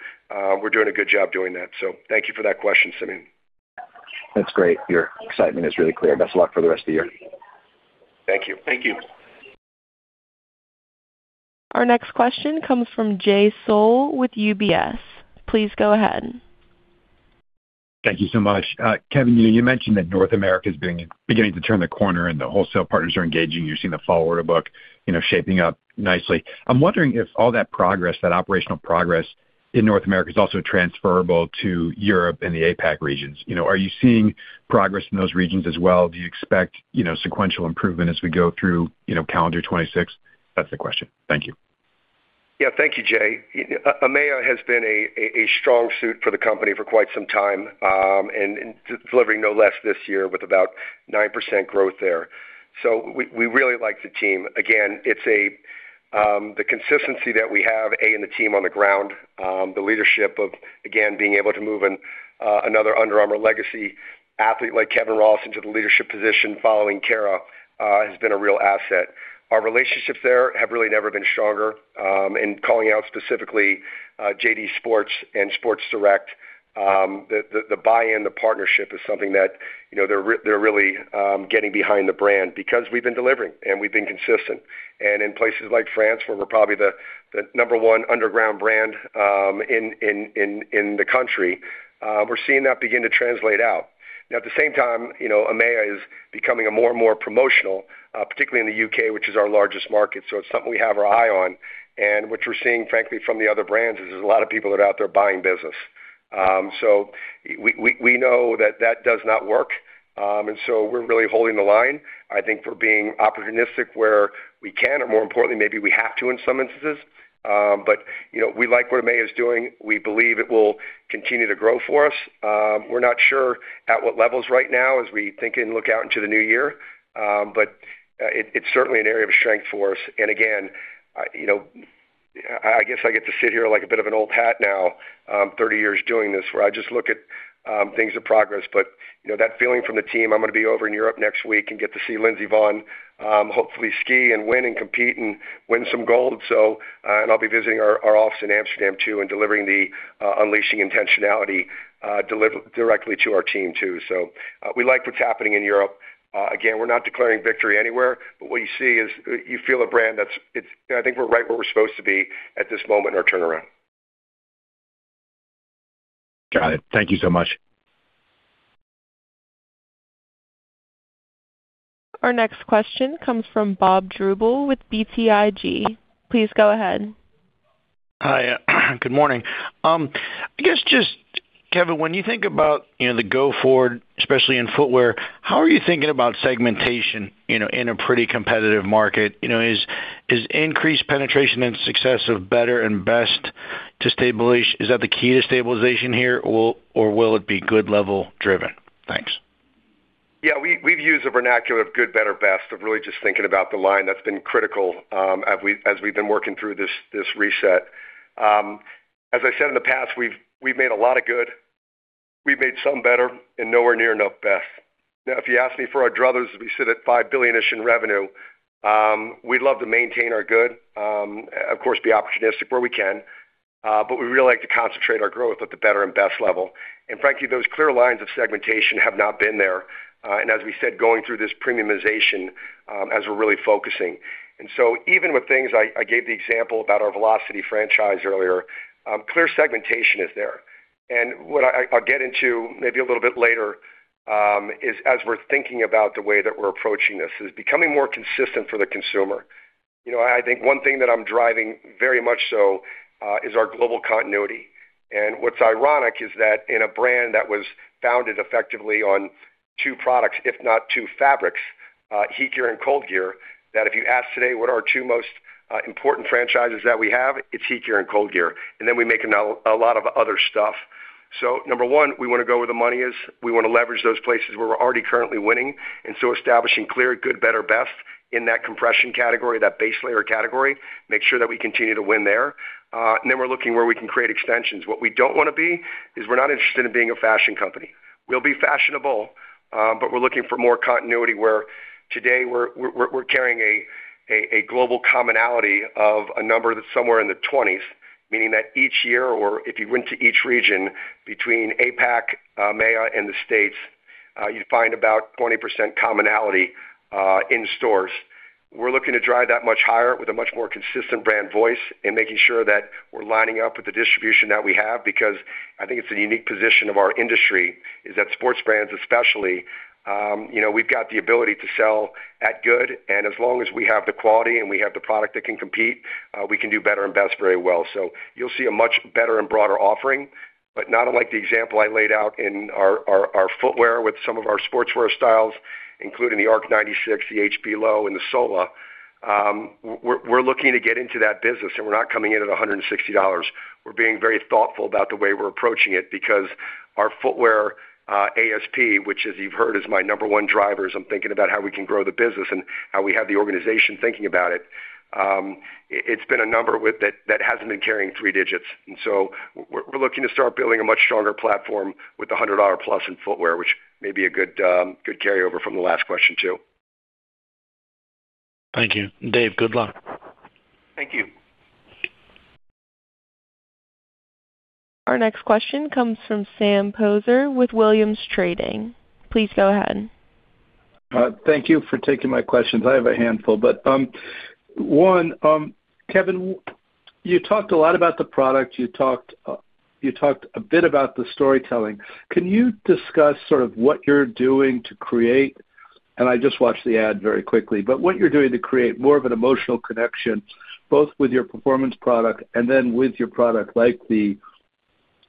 C: we're doing a good job doing that. So, thank you for that question, Simeon.
E: That's great. Your excitement is really clear. Best of luck for the rest of the year.
C: Thank you. Thank you.
A: Our next question comes from Jay Sole with UBS. Please go ahead.
F: Thank you so much. Kevin, you know, you mentioned that North America is beginning to turn the corner, and the wholesale partners are engaging. You're seeing the fall order book, you know, shaping up nicely. I'm wondering if all that progress, that operational progress in North America, is also transferable to Europe and the APAC regions. You know, are you seeing progress in those regions as well? Do you expect, you know, sequential improvement as we go through, you know, calendar 2026? That's the question. Thank you.
C: Yeah. Thank you, Jay. EMEA has been a strong suit for the company for quite some time and delivering no less this year with about 9% growth there. So, we really like the team. Again, it's the consistency that we have in the team on the ground, the leadership of, again, being able to move another Under Armour legacy athlete like Kevin Ross into the leadership position following Kara has been a real asset. Our relationships there have really never been stronger, and calling out specifically JD Sports and Sports Direct, the buy-in, the partnership is something that, you know, they're really getting behind the brand because we've been delivering and we've been consistent. In places like France, where we're probably the number one underground brand in the country, we're seeing that begin to translate out. Now, at the same time, you know, EMEA is becoming a more and more promotional, particularly in the UK, which is our largest market, so it's something we have our eye on. And what we're seeing, frankly, from the other brands, is there's a lot of people that are out there buying business. So, we know that that does not work, and so we're really holding the line, I think, for being opportunistic where we can, or more importantly, maybe we have to in some instances. But, you know, we like what EMEA is doing. We believe it will continue to grow for us. We're not sure at what levels right now as we think and look out into the new year, but it's certainly an area of strength for us. And again, you know, I guess I get to sit here like a bit of an old hat now, 30 years doing this, where I just look at things of progress. But you know, that feeling from the team, I'm gonna be over in Europe next week and get to see Lindsey Vonn, hopefully ski and win and compete and win some gold. So, and I'll be visiting our office in Amsterdam, too, and delivering the Unleashing Intentionality directly to our team, too. So, we like what's happening in Europe. Again, we're not declaring victory anywhere, but what you see is, you feel a brand that's, it's I think we're right where we're supposed to be at this moment in our turnaround.
F: Got it. Thank you so much.
A: Our next question comes from Bob Drbul with BTIG. Please go ahead.
G: Hi. Good morning. I guess just, Kevin, when you think about, you know, the go forward, especially in footwear, how are you thinking about segmentation, you know, in a pretty competitive market? You know, increased penetration and success of better and best to stabilize—is that the key to stabilization here, or will it be good level driven? Thanks.
C: Yeah, we've used the vernacular of good, better, best really just thinking about the line. That's been critical as we've been working through this reset. As I said in the past, we've made a lot of good, we've made some better and nowhere near enough best. Now, if you ask me, for our druthers, we sit at $5 billion-ish in revenue. We'd love to maintain our good, of course, be opportunistic where we can, but we'd really like to concentrate our growth at the better and best level. And frankly, those clear lines of segmentation have not been there, and as we said, going through this premiumization as we're really focusing. And so even with things, I gave the example about our Velociti franchise earlier, clear segmentation is there. And what I, I'll get into maybe a little bit later, is, as we're thinking about the way that we're approaching this, is becoming more consistent for the consumer. You know, I think one thing that I'm driving very much so, is our global continuity. And what's ironic is that in a brand that was founded effectively on two products, if not two fabrics, HeatGear and ColdGear, that if you ask today, what are our two most important franchises that we have? It's HeatGear and ColdGear, and then we make a lot of other stuff. So, number one, we want to go where the money is. We want to leverage those places where we're already currently winning, and so establishing clear, good, better, best in that compression category, that base layer category, make sure that we continue to win there. And then we're looking where we can create extensions. What we don't want to be, is we're not interested in being a fashion company. We'll be fashionable, but we're looking for more continuity where today we're carrying a global commonality of a number that's somewhere in the 20s, meaning that each year, or if you went to each region between APAC, EMEA, and the States, you'd find about 20% commonality in stores. We're looking to drive that much higher with a much more consistent brand voice and making sure that we're lining up with the distribution that we have, because I think it's a unique position of our industry, is that sports brands, especially, you know, we've got the ability to sell at good, and as long as we have the quality and we have the product that can compete, we can do better and best very well. So, you'll see a much better and broader offering. But not unlike the example I laid out in our footwear with some of our sportswear styles, including the Arc 96 the HB Low, and the Sola. We're looking to get into that business, and we're not coming in at $160. We're being very thoughtful about the way we're approaching it because our footwear ASP, which, as you've heard, is my number one driver, as I'm thinking about how we can grow the business and how we have the organization thinking about it. It's been a number with that, that hasn't been carrying three digits, and so we're looking to start building a much stronger platform with a $100-plus in footwear, which may be a good carryover from the last question, too.
G: Thank you. Dave, good luck.
D: Thank you.
A: Our next question comes from Sam Poser with Williams Trading. Please go ahead.
H: Thank you for taking my questions. I have a handful, but one, Kevin, you talked a lot about the product. You talked, a bit about the storytelling. Can you discuss sort of what you're doing to create, and I just watched the ad very quickly, but what you're doing to create more of an emotional connection, both with your performance product and then with your product, like the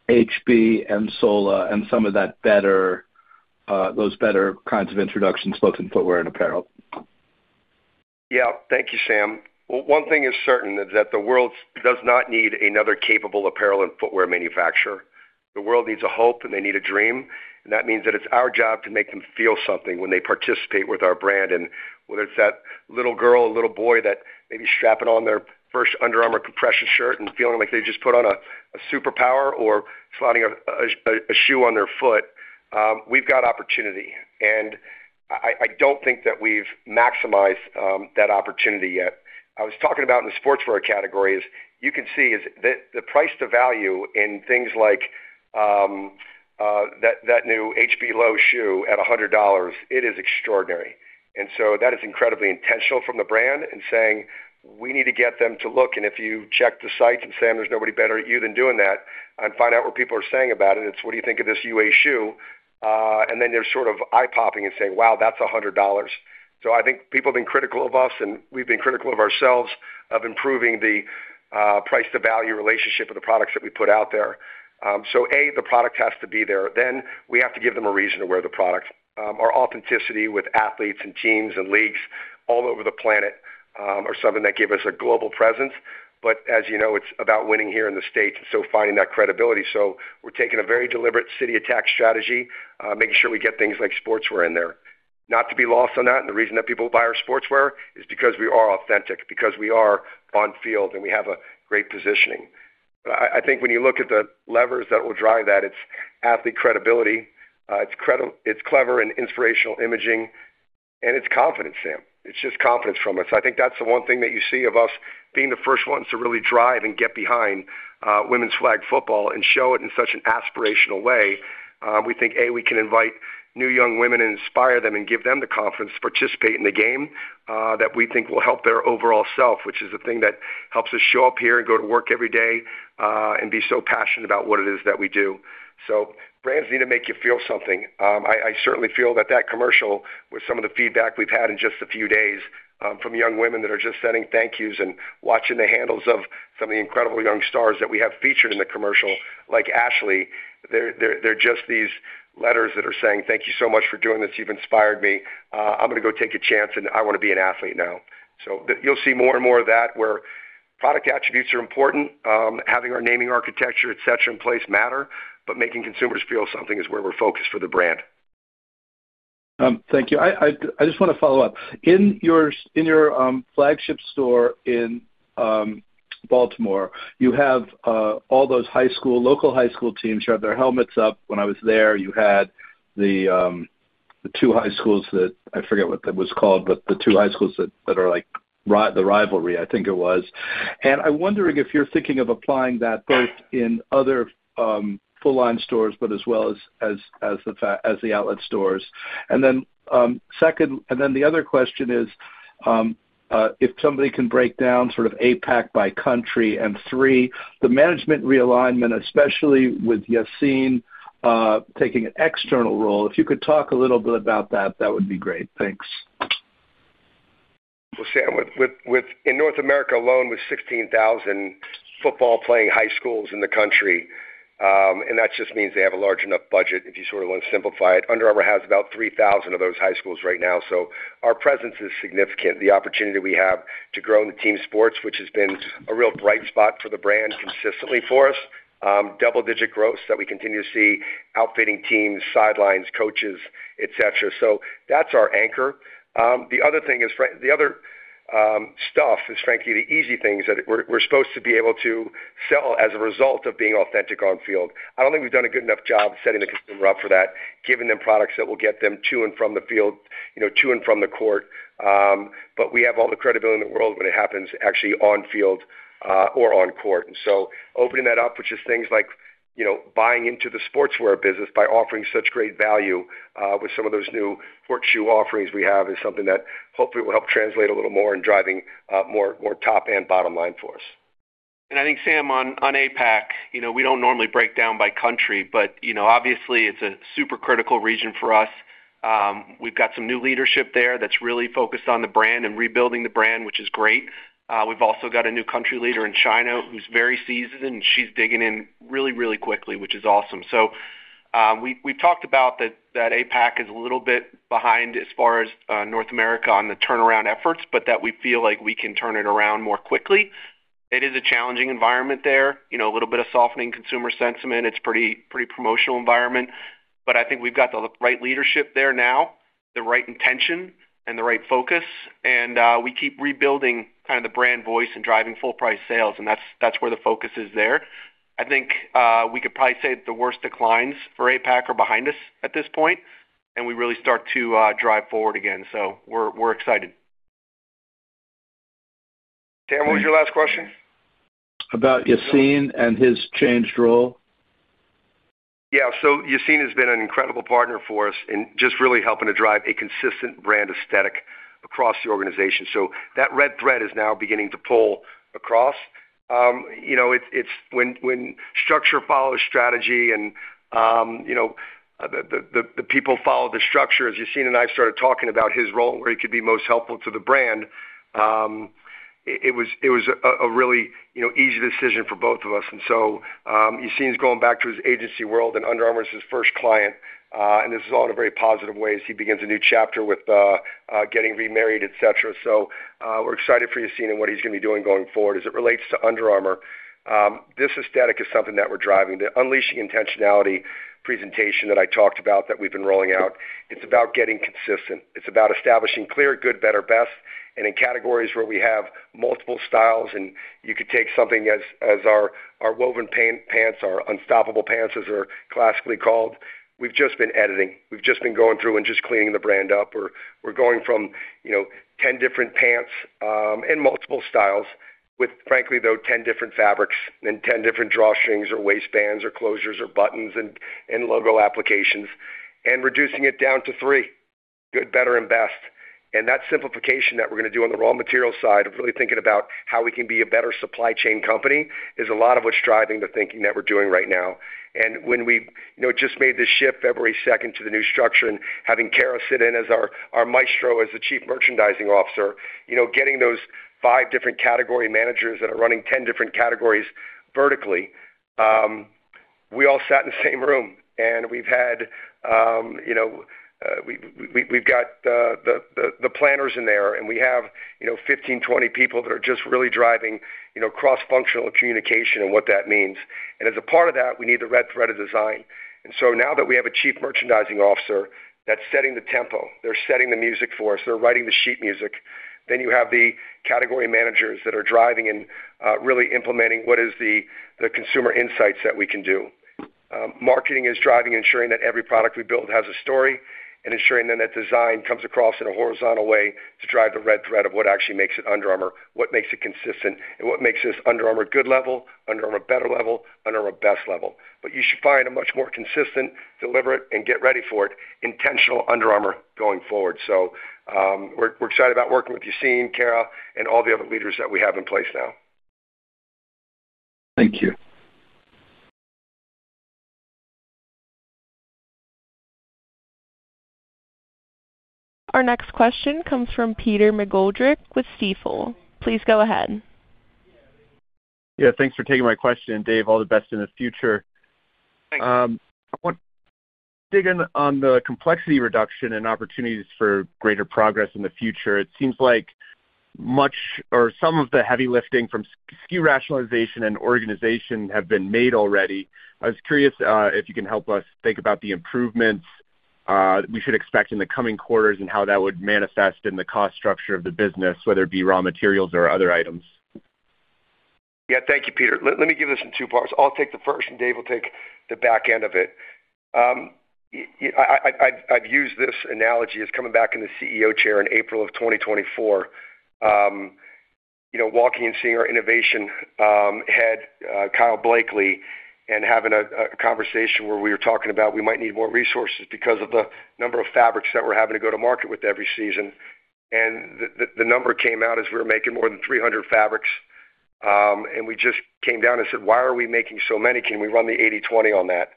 H: HB and Sola and some of that better, those better kinds of introductions, both in footwear and apparel?
C: Yeah. Thank you, Sam. Well, one thing is certain, is that the world does not need another capable apparel and footwear manufacturer. The world needs a hope, and they need a dream, and that means that it's our job to make them feel something when they participate with our brand. And whether it's that little girl or little boy that may be strapping on their first Under Armour compression shirt and feeling like they just put on a superpower or sliding a shoe on their foot, we've got opportunity, and I don't think that we've maximized that opportunity yet. I was talking about in the sportswear categories, you can see is the price to value in things like that new HB Low shoe at $100, it is extraordinary. And so that is incredibly intentional from the brand in saying, "We need to get them to look." And if you check the sites, and Sam, there's nobody better at you than doing that, and find out what people are saying about it, it's what do you think of this UA shoe? And then they're sort of eye-popping and saying, "Wow, that's $100." So I think people have been critical of us, and we've been critical of ourselves, of improving the price to value relationship of the products that we put out there. So A, the product has to be there, then we have to give them a reason to wear the product. Our authenticity with athletes and teams and leagues all over the planet are something that give us a global presence. But as you know, it's about winning here in the States, and so finding that credibility. So we're taking a very deliberate city attack strategy, making sure we get things like sportswear in there. Not to be lost on that, and the reason that people buy our sportswear is because we are authentic, because we are on field, and we have a great positioning. But I think when you look at the levers that will drive that, it's athlete credibility, it's clever and inspirational imaging, and it's confidence, Sam. It's just confidence from us. I think that's the one thing that you see of us being the first ones to really drive and get behind women's flag football and show it in such an aspirational way. We think we can invite new young women and inspire them and give them the confidence to participate in the game that we think will help their overall self, which is the thing that helps us show up here and go to work every day and be so passionate about what it is that we do. So, brands need to make you feel something. I certainly feel that that commercial, with some of the feedback we've had in just a few days, from young women that are just sending thank you and watching the handles of some of the incredible young stars that we have featured in the commercial, like Ashlea, they're just these letters that are saying: Thank you so much for doing this. You've inspired me. I'm gonna go take a chance, and I want to be an athlete now. So, you'll see more and more of that, where product attributes are important, having our naming architecture, et cetera, in place matter, but making consumers feel something is where we're focused for the brand.
H: Thank you. I just want to follow up. In your flagship store in Baltimore, you have all those high school, local high school teams who have their helmets up. When I was there, you had the two high schools that... I forget what that was called, but the two high schools that are like the rivalry, I think it was. And I'm wondering if you're thinking of applying that both in other full-line stores, but as well as the outlet stores. And then, second, the other question is if somebody can break down sort of APAC by country, and three, the management realignment, especially with Yasin taking an external role. If you could talk a little bit about that, that would be great. Thanks....
C: Yeah, in North America alone, with 16,000 football-playing high schools in the country, and that just means they have a large enough budget, if you sort of want to simplify it. Under Armour has about 3,000 of those high schools right now, so our presence is significant. The opportunity we have to grow in the team sports, which has been a real bright spot for the brand consistently for us. Double-digit growth that we continue to see, outfitting teams, sidelines, coaches, et cetera. So, that's our anchor. The other thing is the other stuff is, frankly, the easy things that we're supposed to be able to sell as a result of being authentic on field. I don't think we've done a good enough job setting the consumer up for that, giving them products that will get them to and from the field, you know, to and from the court. But we have all the credibility in the world when it happens actually on field, or on court. And so, opening that up, which is things like, you know, buying into the sportswear business by offering such great value, with some of those new sports shoe offerings we have, is something that hopefully will help translate a little more in driving, more, more top and bottom line for us.
D: I think, Sam, on APAC, you know, we don't normally break down by country, but you know, obviously it's a super critical region for us. We've got some new leadership there that's really focused on the brand and rebuilding the brand, which is great. We've also got a new country leader in China who's very seasoned, and she's digging in really, really quickly, which is awesome. So, we've talked about that APAC is a little bit behind as far as North America on the turnaround efforts, but that we feel like we can turn it around more quickly. It is a challenging environment there, you know, a little bit of softening consumer sentiment. It's pretty, pretty promotional environment, but I think we've got the right leadership there now, the right intention and the right focus, and we keep rebuilding kind of the brand voice and driving full price sales, and that's, that's where the focus is there. I think we could probably say that the worst declines for APAC are behind us at this point, and we really start to drive forward again. So, we're excited.
C: Sam, what was your last question?
H: About Yasin and his changed role.
C: Yeah, so, Yasin has been an incredible partner for us in just really helping to drive a consistent brand aesthetic across the organization. So, that red thread is now beginning to pull across. You know, it's when structure follows strategy and, you know, the people follow the structure. As Yasin and I started talking about his role, where he could be most helpful to the brand, it was a really easy decision for both of us. And so, Yasin's going back to his agency world, and Under Armour is his first client, and this is all in a very positive way as he begins a new chapter with getting remarried, et cetera. So, we're excited for Yasin and what he's going to be doing going forward. As it relates to Under Armour, this aesthetic is something that we're driving. The Unleashing Intentionality presentation that I talked about, that we've been rolling out, it's about getting consistent. It's about establishing clear, good, better, best, and in categories where we have multiple styles, and you could take something as our woven pants, our Unstoppable pants, as they're classically called, we've just been editing. We've just been going through and just cleaning the brand up, or we're going from, you know, 10 different pants in multiple styles with, frankly, though, 10 different fabrics and 10 different drawstrings or waistbands or closures or buttons and logo applications, and reducing it down to 3: good, better, and best. That simplification that we're gonna do on the raw material side of really thinking about how we can be a better supply chain company is a lot of what's driving the thinking that we're doing right now. And when we, you know, just made this shift February second to the new structure and having Kara sit in as our maestro, as the Chief Merchandising Officer, you know, getting those 5 different category managers that are running 10 different categories vertically, we all sat in the same room, and we've had, you know, we've got the planners in there, and we have, you know, 15, 20 people that are just really driving, you know, cross-functional communication and what that means. And as a part of that, we need the red thread of design. And so, now that we have a Chief Merchandising Officer, that's setting the tempo, they're setting the music for us, they're writing the sheet music. Then you have the category managers that are driving and really implementing what is the consumer insights that we can do. Marketing is driving, ensuring that every product we build has a story, and ensuring that that design comes across in a horizontal way to drive the red thread of what actually makes it Under Armour, what makes it consistent, and what makes this Under Armour good level, Under Armour better level, Under Armour best level. But you should find a much more consistent, deliberate, and get ready for it, intentional Under Armour going forward. So, we're excited about working with Yasin, Kara and all the other leaders that we have in place now.
H: Thank you.
A: Our next question comes from Peter McGoldrick with Stifel. Please go ahead.
I: Yeah, thanks for taking my question, Dave. All the best in the future.
D: Thanks.
I: I want to dig in on the complexity reduction and opportunities for greater progress in the future. It seems like much or some of the heavy lifting from SKU rationalization and organization have been made already. I was curious, if you can help us think about the improvements, we should expect in the coming quarters and how that would manifest in the cost structure of the business, whether it be raw materials or other items.
C: Yeah. Thank you, Peter. Let me give this in two parts. I'll take the first, and Dave will take the back end of it. I've used this analogy as coming back in the CEO chair in April 2024. You know, walking and seeing our innovation head, Kyle Blakely, and having a conversation where we were talking about we might need more resources because of the number of fabrics that we're having to go to market with every season. And the number came out as we were making more than 300 fabrics. And we just came down and said, "Why are we making so many? Can we run the 80/20 on that?"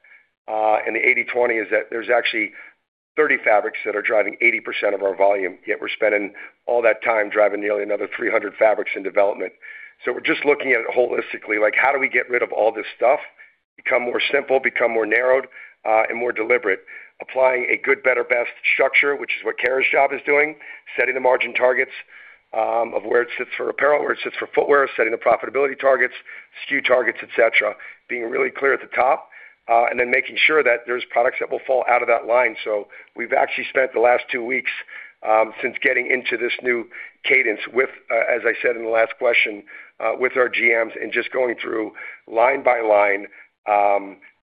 C: And the 80/20 is that there's actually 30 fabrics that are driving 80% of our volume, yet we're spending all that time driving nearly another 300 fabrics in development. So we're just looking at it holistically, like, how do we get rid of all this stuff, become more simple, become more narrowed, and more deliberate? Applying a good, better, best structure, which is what Kara's job is doing, setting the margin targets, of where it sits for apparel, where it sits for footwear, setting the profitability targets, SKU targets, et cetera. Being really clear at the top and then making sure that there's products that will fall out of that line. So, we've actually spent the last two weeks since getting into this new cadence with, as I said in the last question, with our GMs and just going through line by line,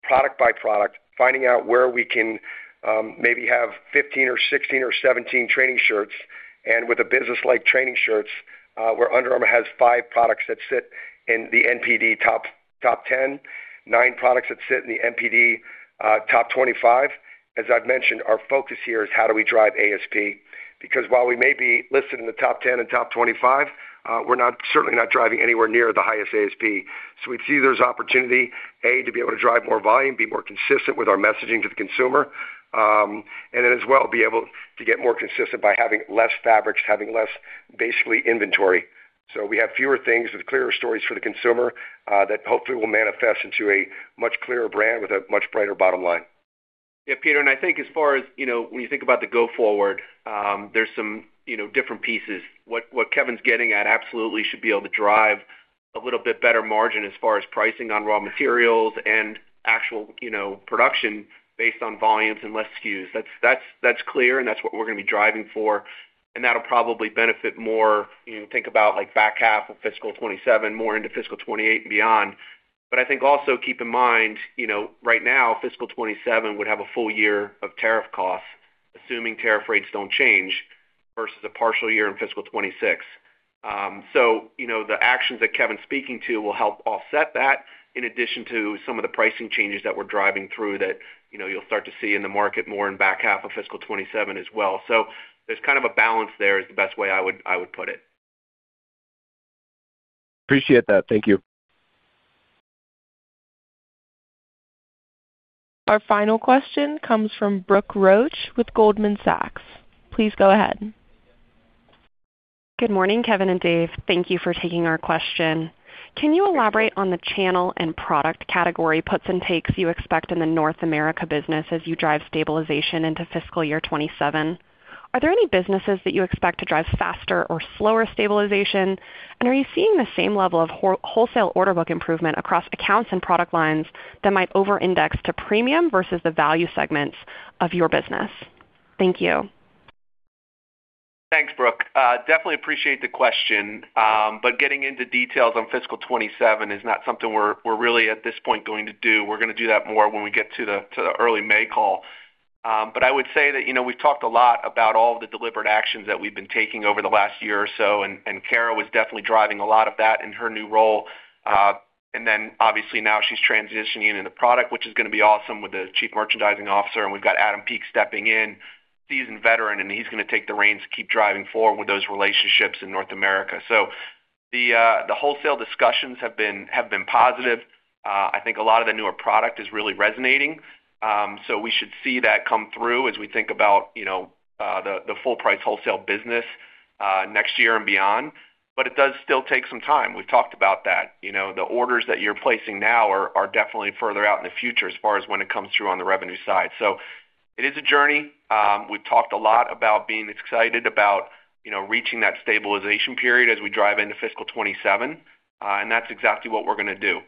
C: product by product, finding out where we can maybe have 15 or 16 or 17 training shirts, and with a business like training shirts, where Under Armour has 5 products that sit in the NPD top 10, 9 products that sit in the NPD top 25. As I've mentioned, our focus here is how do we drive ASP? Because while we may be listed in the top 10 and top 25, we're not certainly driving anywhere near the highest ASP. So, we see there's opportunity, A, to be able to drive more volume, be more consistent with our messaging to the consumer, and then as well, be able to get more consistent by having less fabrics, having less, basically, inventory. So, we have fewer things with clearer stories for the consumer, that hopefully will manifest into a much clearer brand with a much brighter bottom line.
D: Yeah, Peter, and I think as far as, you know, when you think about the go forward, there's some, you know, different pieces. What Kevin's getting at absolutely should be able to drive a little bit better margin as far as pricing on raw materials and actual, you know, production based on volumes and less SKUs. That's clear, and that's what we're gonna be driving for, and that'll probably benefit more, you know, think about, like, back half of fiscal 2027, more into fiscal 2028 and beyond. But I think also, keep in mind, you know, right now, fiscal 2027 would have a full year of tariff costs, assuming tariff rates don't change, versus a partial year in fiscal 2026. So, you know, the actions that Kevin's speaking to will help offset that, in addition to some of the pricing changes that we're driving through that, you know, you'll start to see in the market more in back half of fiscal 2027 as well. So, there's kind of a balance there, is the best way I would put it.
I: Appreciate that. Thank you.
A: Our final question comes from Brooke Roach with Goldman Sachs. Please go ahead.
J: Good morning, Kevin and Dave. Thank you for taking our question. Can you elaborate on the channel and product category puts and takes you expect in the North America business as you drive stabilization into fiscal year 2027? Are there any businesses that you expect to drive faster or slower stabilization? And are you seeing the same level of wholesale order book improvement across accounts and product lines that might over-index to premium versus the value segments of your business? Thank you.
D: Thanks, Brooke. Definitely appreciate the question, but getting into details on fiscal 2027 is not something we're really, at this point, going to do. We're gonna do that more when we get to the early May call. But I would say that, you know, we've talked a lot about all the deliberate actions that we've been taking over the last year or so, and Kara was definitely driving a lot of that in her new role. And then, obviously, now she's transitioning into product, which is gonna be awesome, with the Chief Merchandising Officer, and we've got Adam Peake stepping in, seasoned veteran, and he's gonna take the reins to keep driving forward with those relationships in North America. So, the wholesale discussions have been positive. I think a lot of the newer product is really resonating, so we should see that come through as we think about, you know, the full price wholesale business, next year and beyond. But it does still take some time. We've talked about that. You know, the orders that you're placing now are definitely further out in the future as far as when it comes through on the revenue side. So, it is a journey. We've talked a lot about being excited about, you know, reaching that stabilization period as we drive into fiscal 2027, and that's exactly what we're gonna do.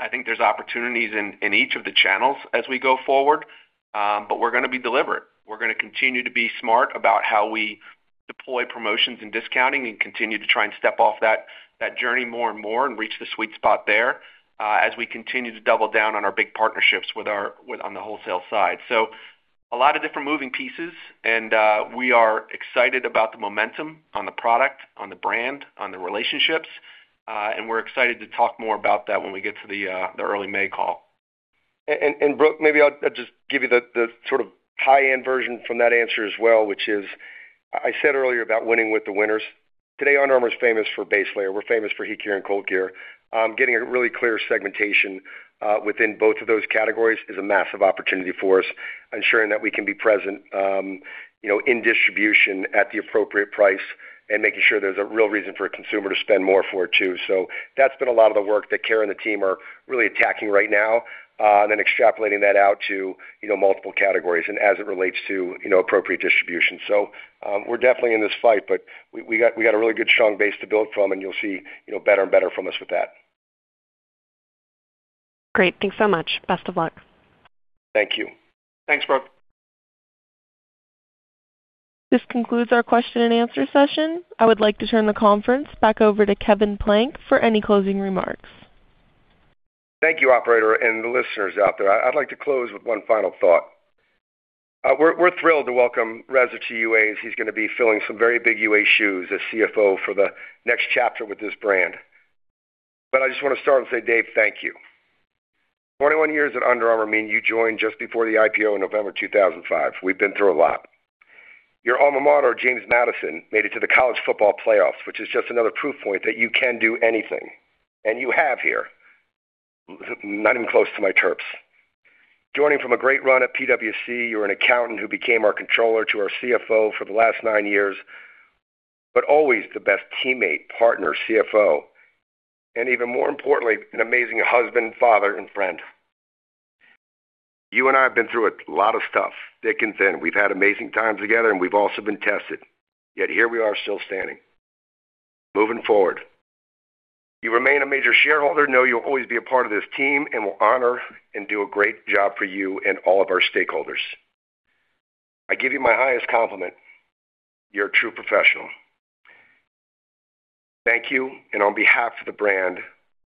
D: I think there's opportunities in each of the channels as we go forward, but we're gonna be deliberate. We're gonna continue to be smart about how we deploy promotions and discounting and continue to try and step off that journey more and more and reach the sweet spot there, as we continue to double down on our big partnerships with our... with on the wholesale side. So, a lot of different moving pieces, and we are excited about the momentum on the product, on the brand, on the relationships, and we're excited to talk more about that when we get to the early May call.
C: Brooke, maybe I'll just give you the sort of high-end version from that answer as well, which is, I said earlier about winning with the winners. Today, Under Armour is famous for base layer. We're famous for HeatGear and ColdGear. Getting a really clear segmentation within both of those categories is a massive opportunity for us, ensuring that we can be present, you know, in distribution at the appropriate price, and making sure there's a real reason for a consumer to spend more for it, too. So, that's been a lot of the work that Kara and the team are really attacking right now, and then extrapolating that out to, you know, multiple categories and as it relates to, you know, appropriate distribution. So, we're definitely in this fight, but we got a really good, strong base to build from, and you'll see, you know, better and better from us with that.
J: Great. Thanks so much. Best of luck.
C: Thank you.
D: Thanks, Brooke.
A: This concludes our question and answer session. I would like to turn the conference back over to Kevin Plank for any closing remarks.
C: Thank you, operator and the listeners out there. I'd like to close with one final thought. We're thrilled to welcome Reza to UA, as he's gonna be filling some very big UA shoes as CFO for the next chapter with this brand. But I just wanna start and say, Dave, thank you. 21 years at Under Armour mean you joined just before the IPO in November 2005. We've been through a lot. Your alma mater, James Madison, made it to the college football playoffs, which is just another proof point that you can do anything, and you have here. Not even close to my Terps. Joining from a great run at PwC, you're an accountant who became our controller to our CFO for the last nine years, but always the best teammate, partner, CFO, and even more importantly, an amazing husband, father and friend. You and I have been through a lot of stuff, thick and thin. We've had amazing times together, and we've also been tested, yet here we are, still standing, moving forward. You remain a major shareholder, know you'll always be a part of this team, and we'll honor and do a great job for you and all of our stakeholders. I give you my highest compliment: You're a true professional. Thank you, and on behalf of the brand,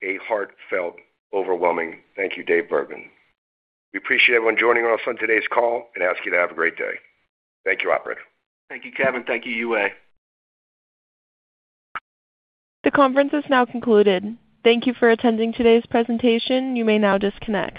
C: a heartfelt, overwhelming thank you, Dave Bergman. We appreciate everyone joining us on today's call and ask you to have a great day. Thank you, operator.
D: Thank you, Kevin. Thank you, UA.
A: The conference is now concluded. Thank you for attending today's presentation. You may now disconnect.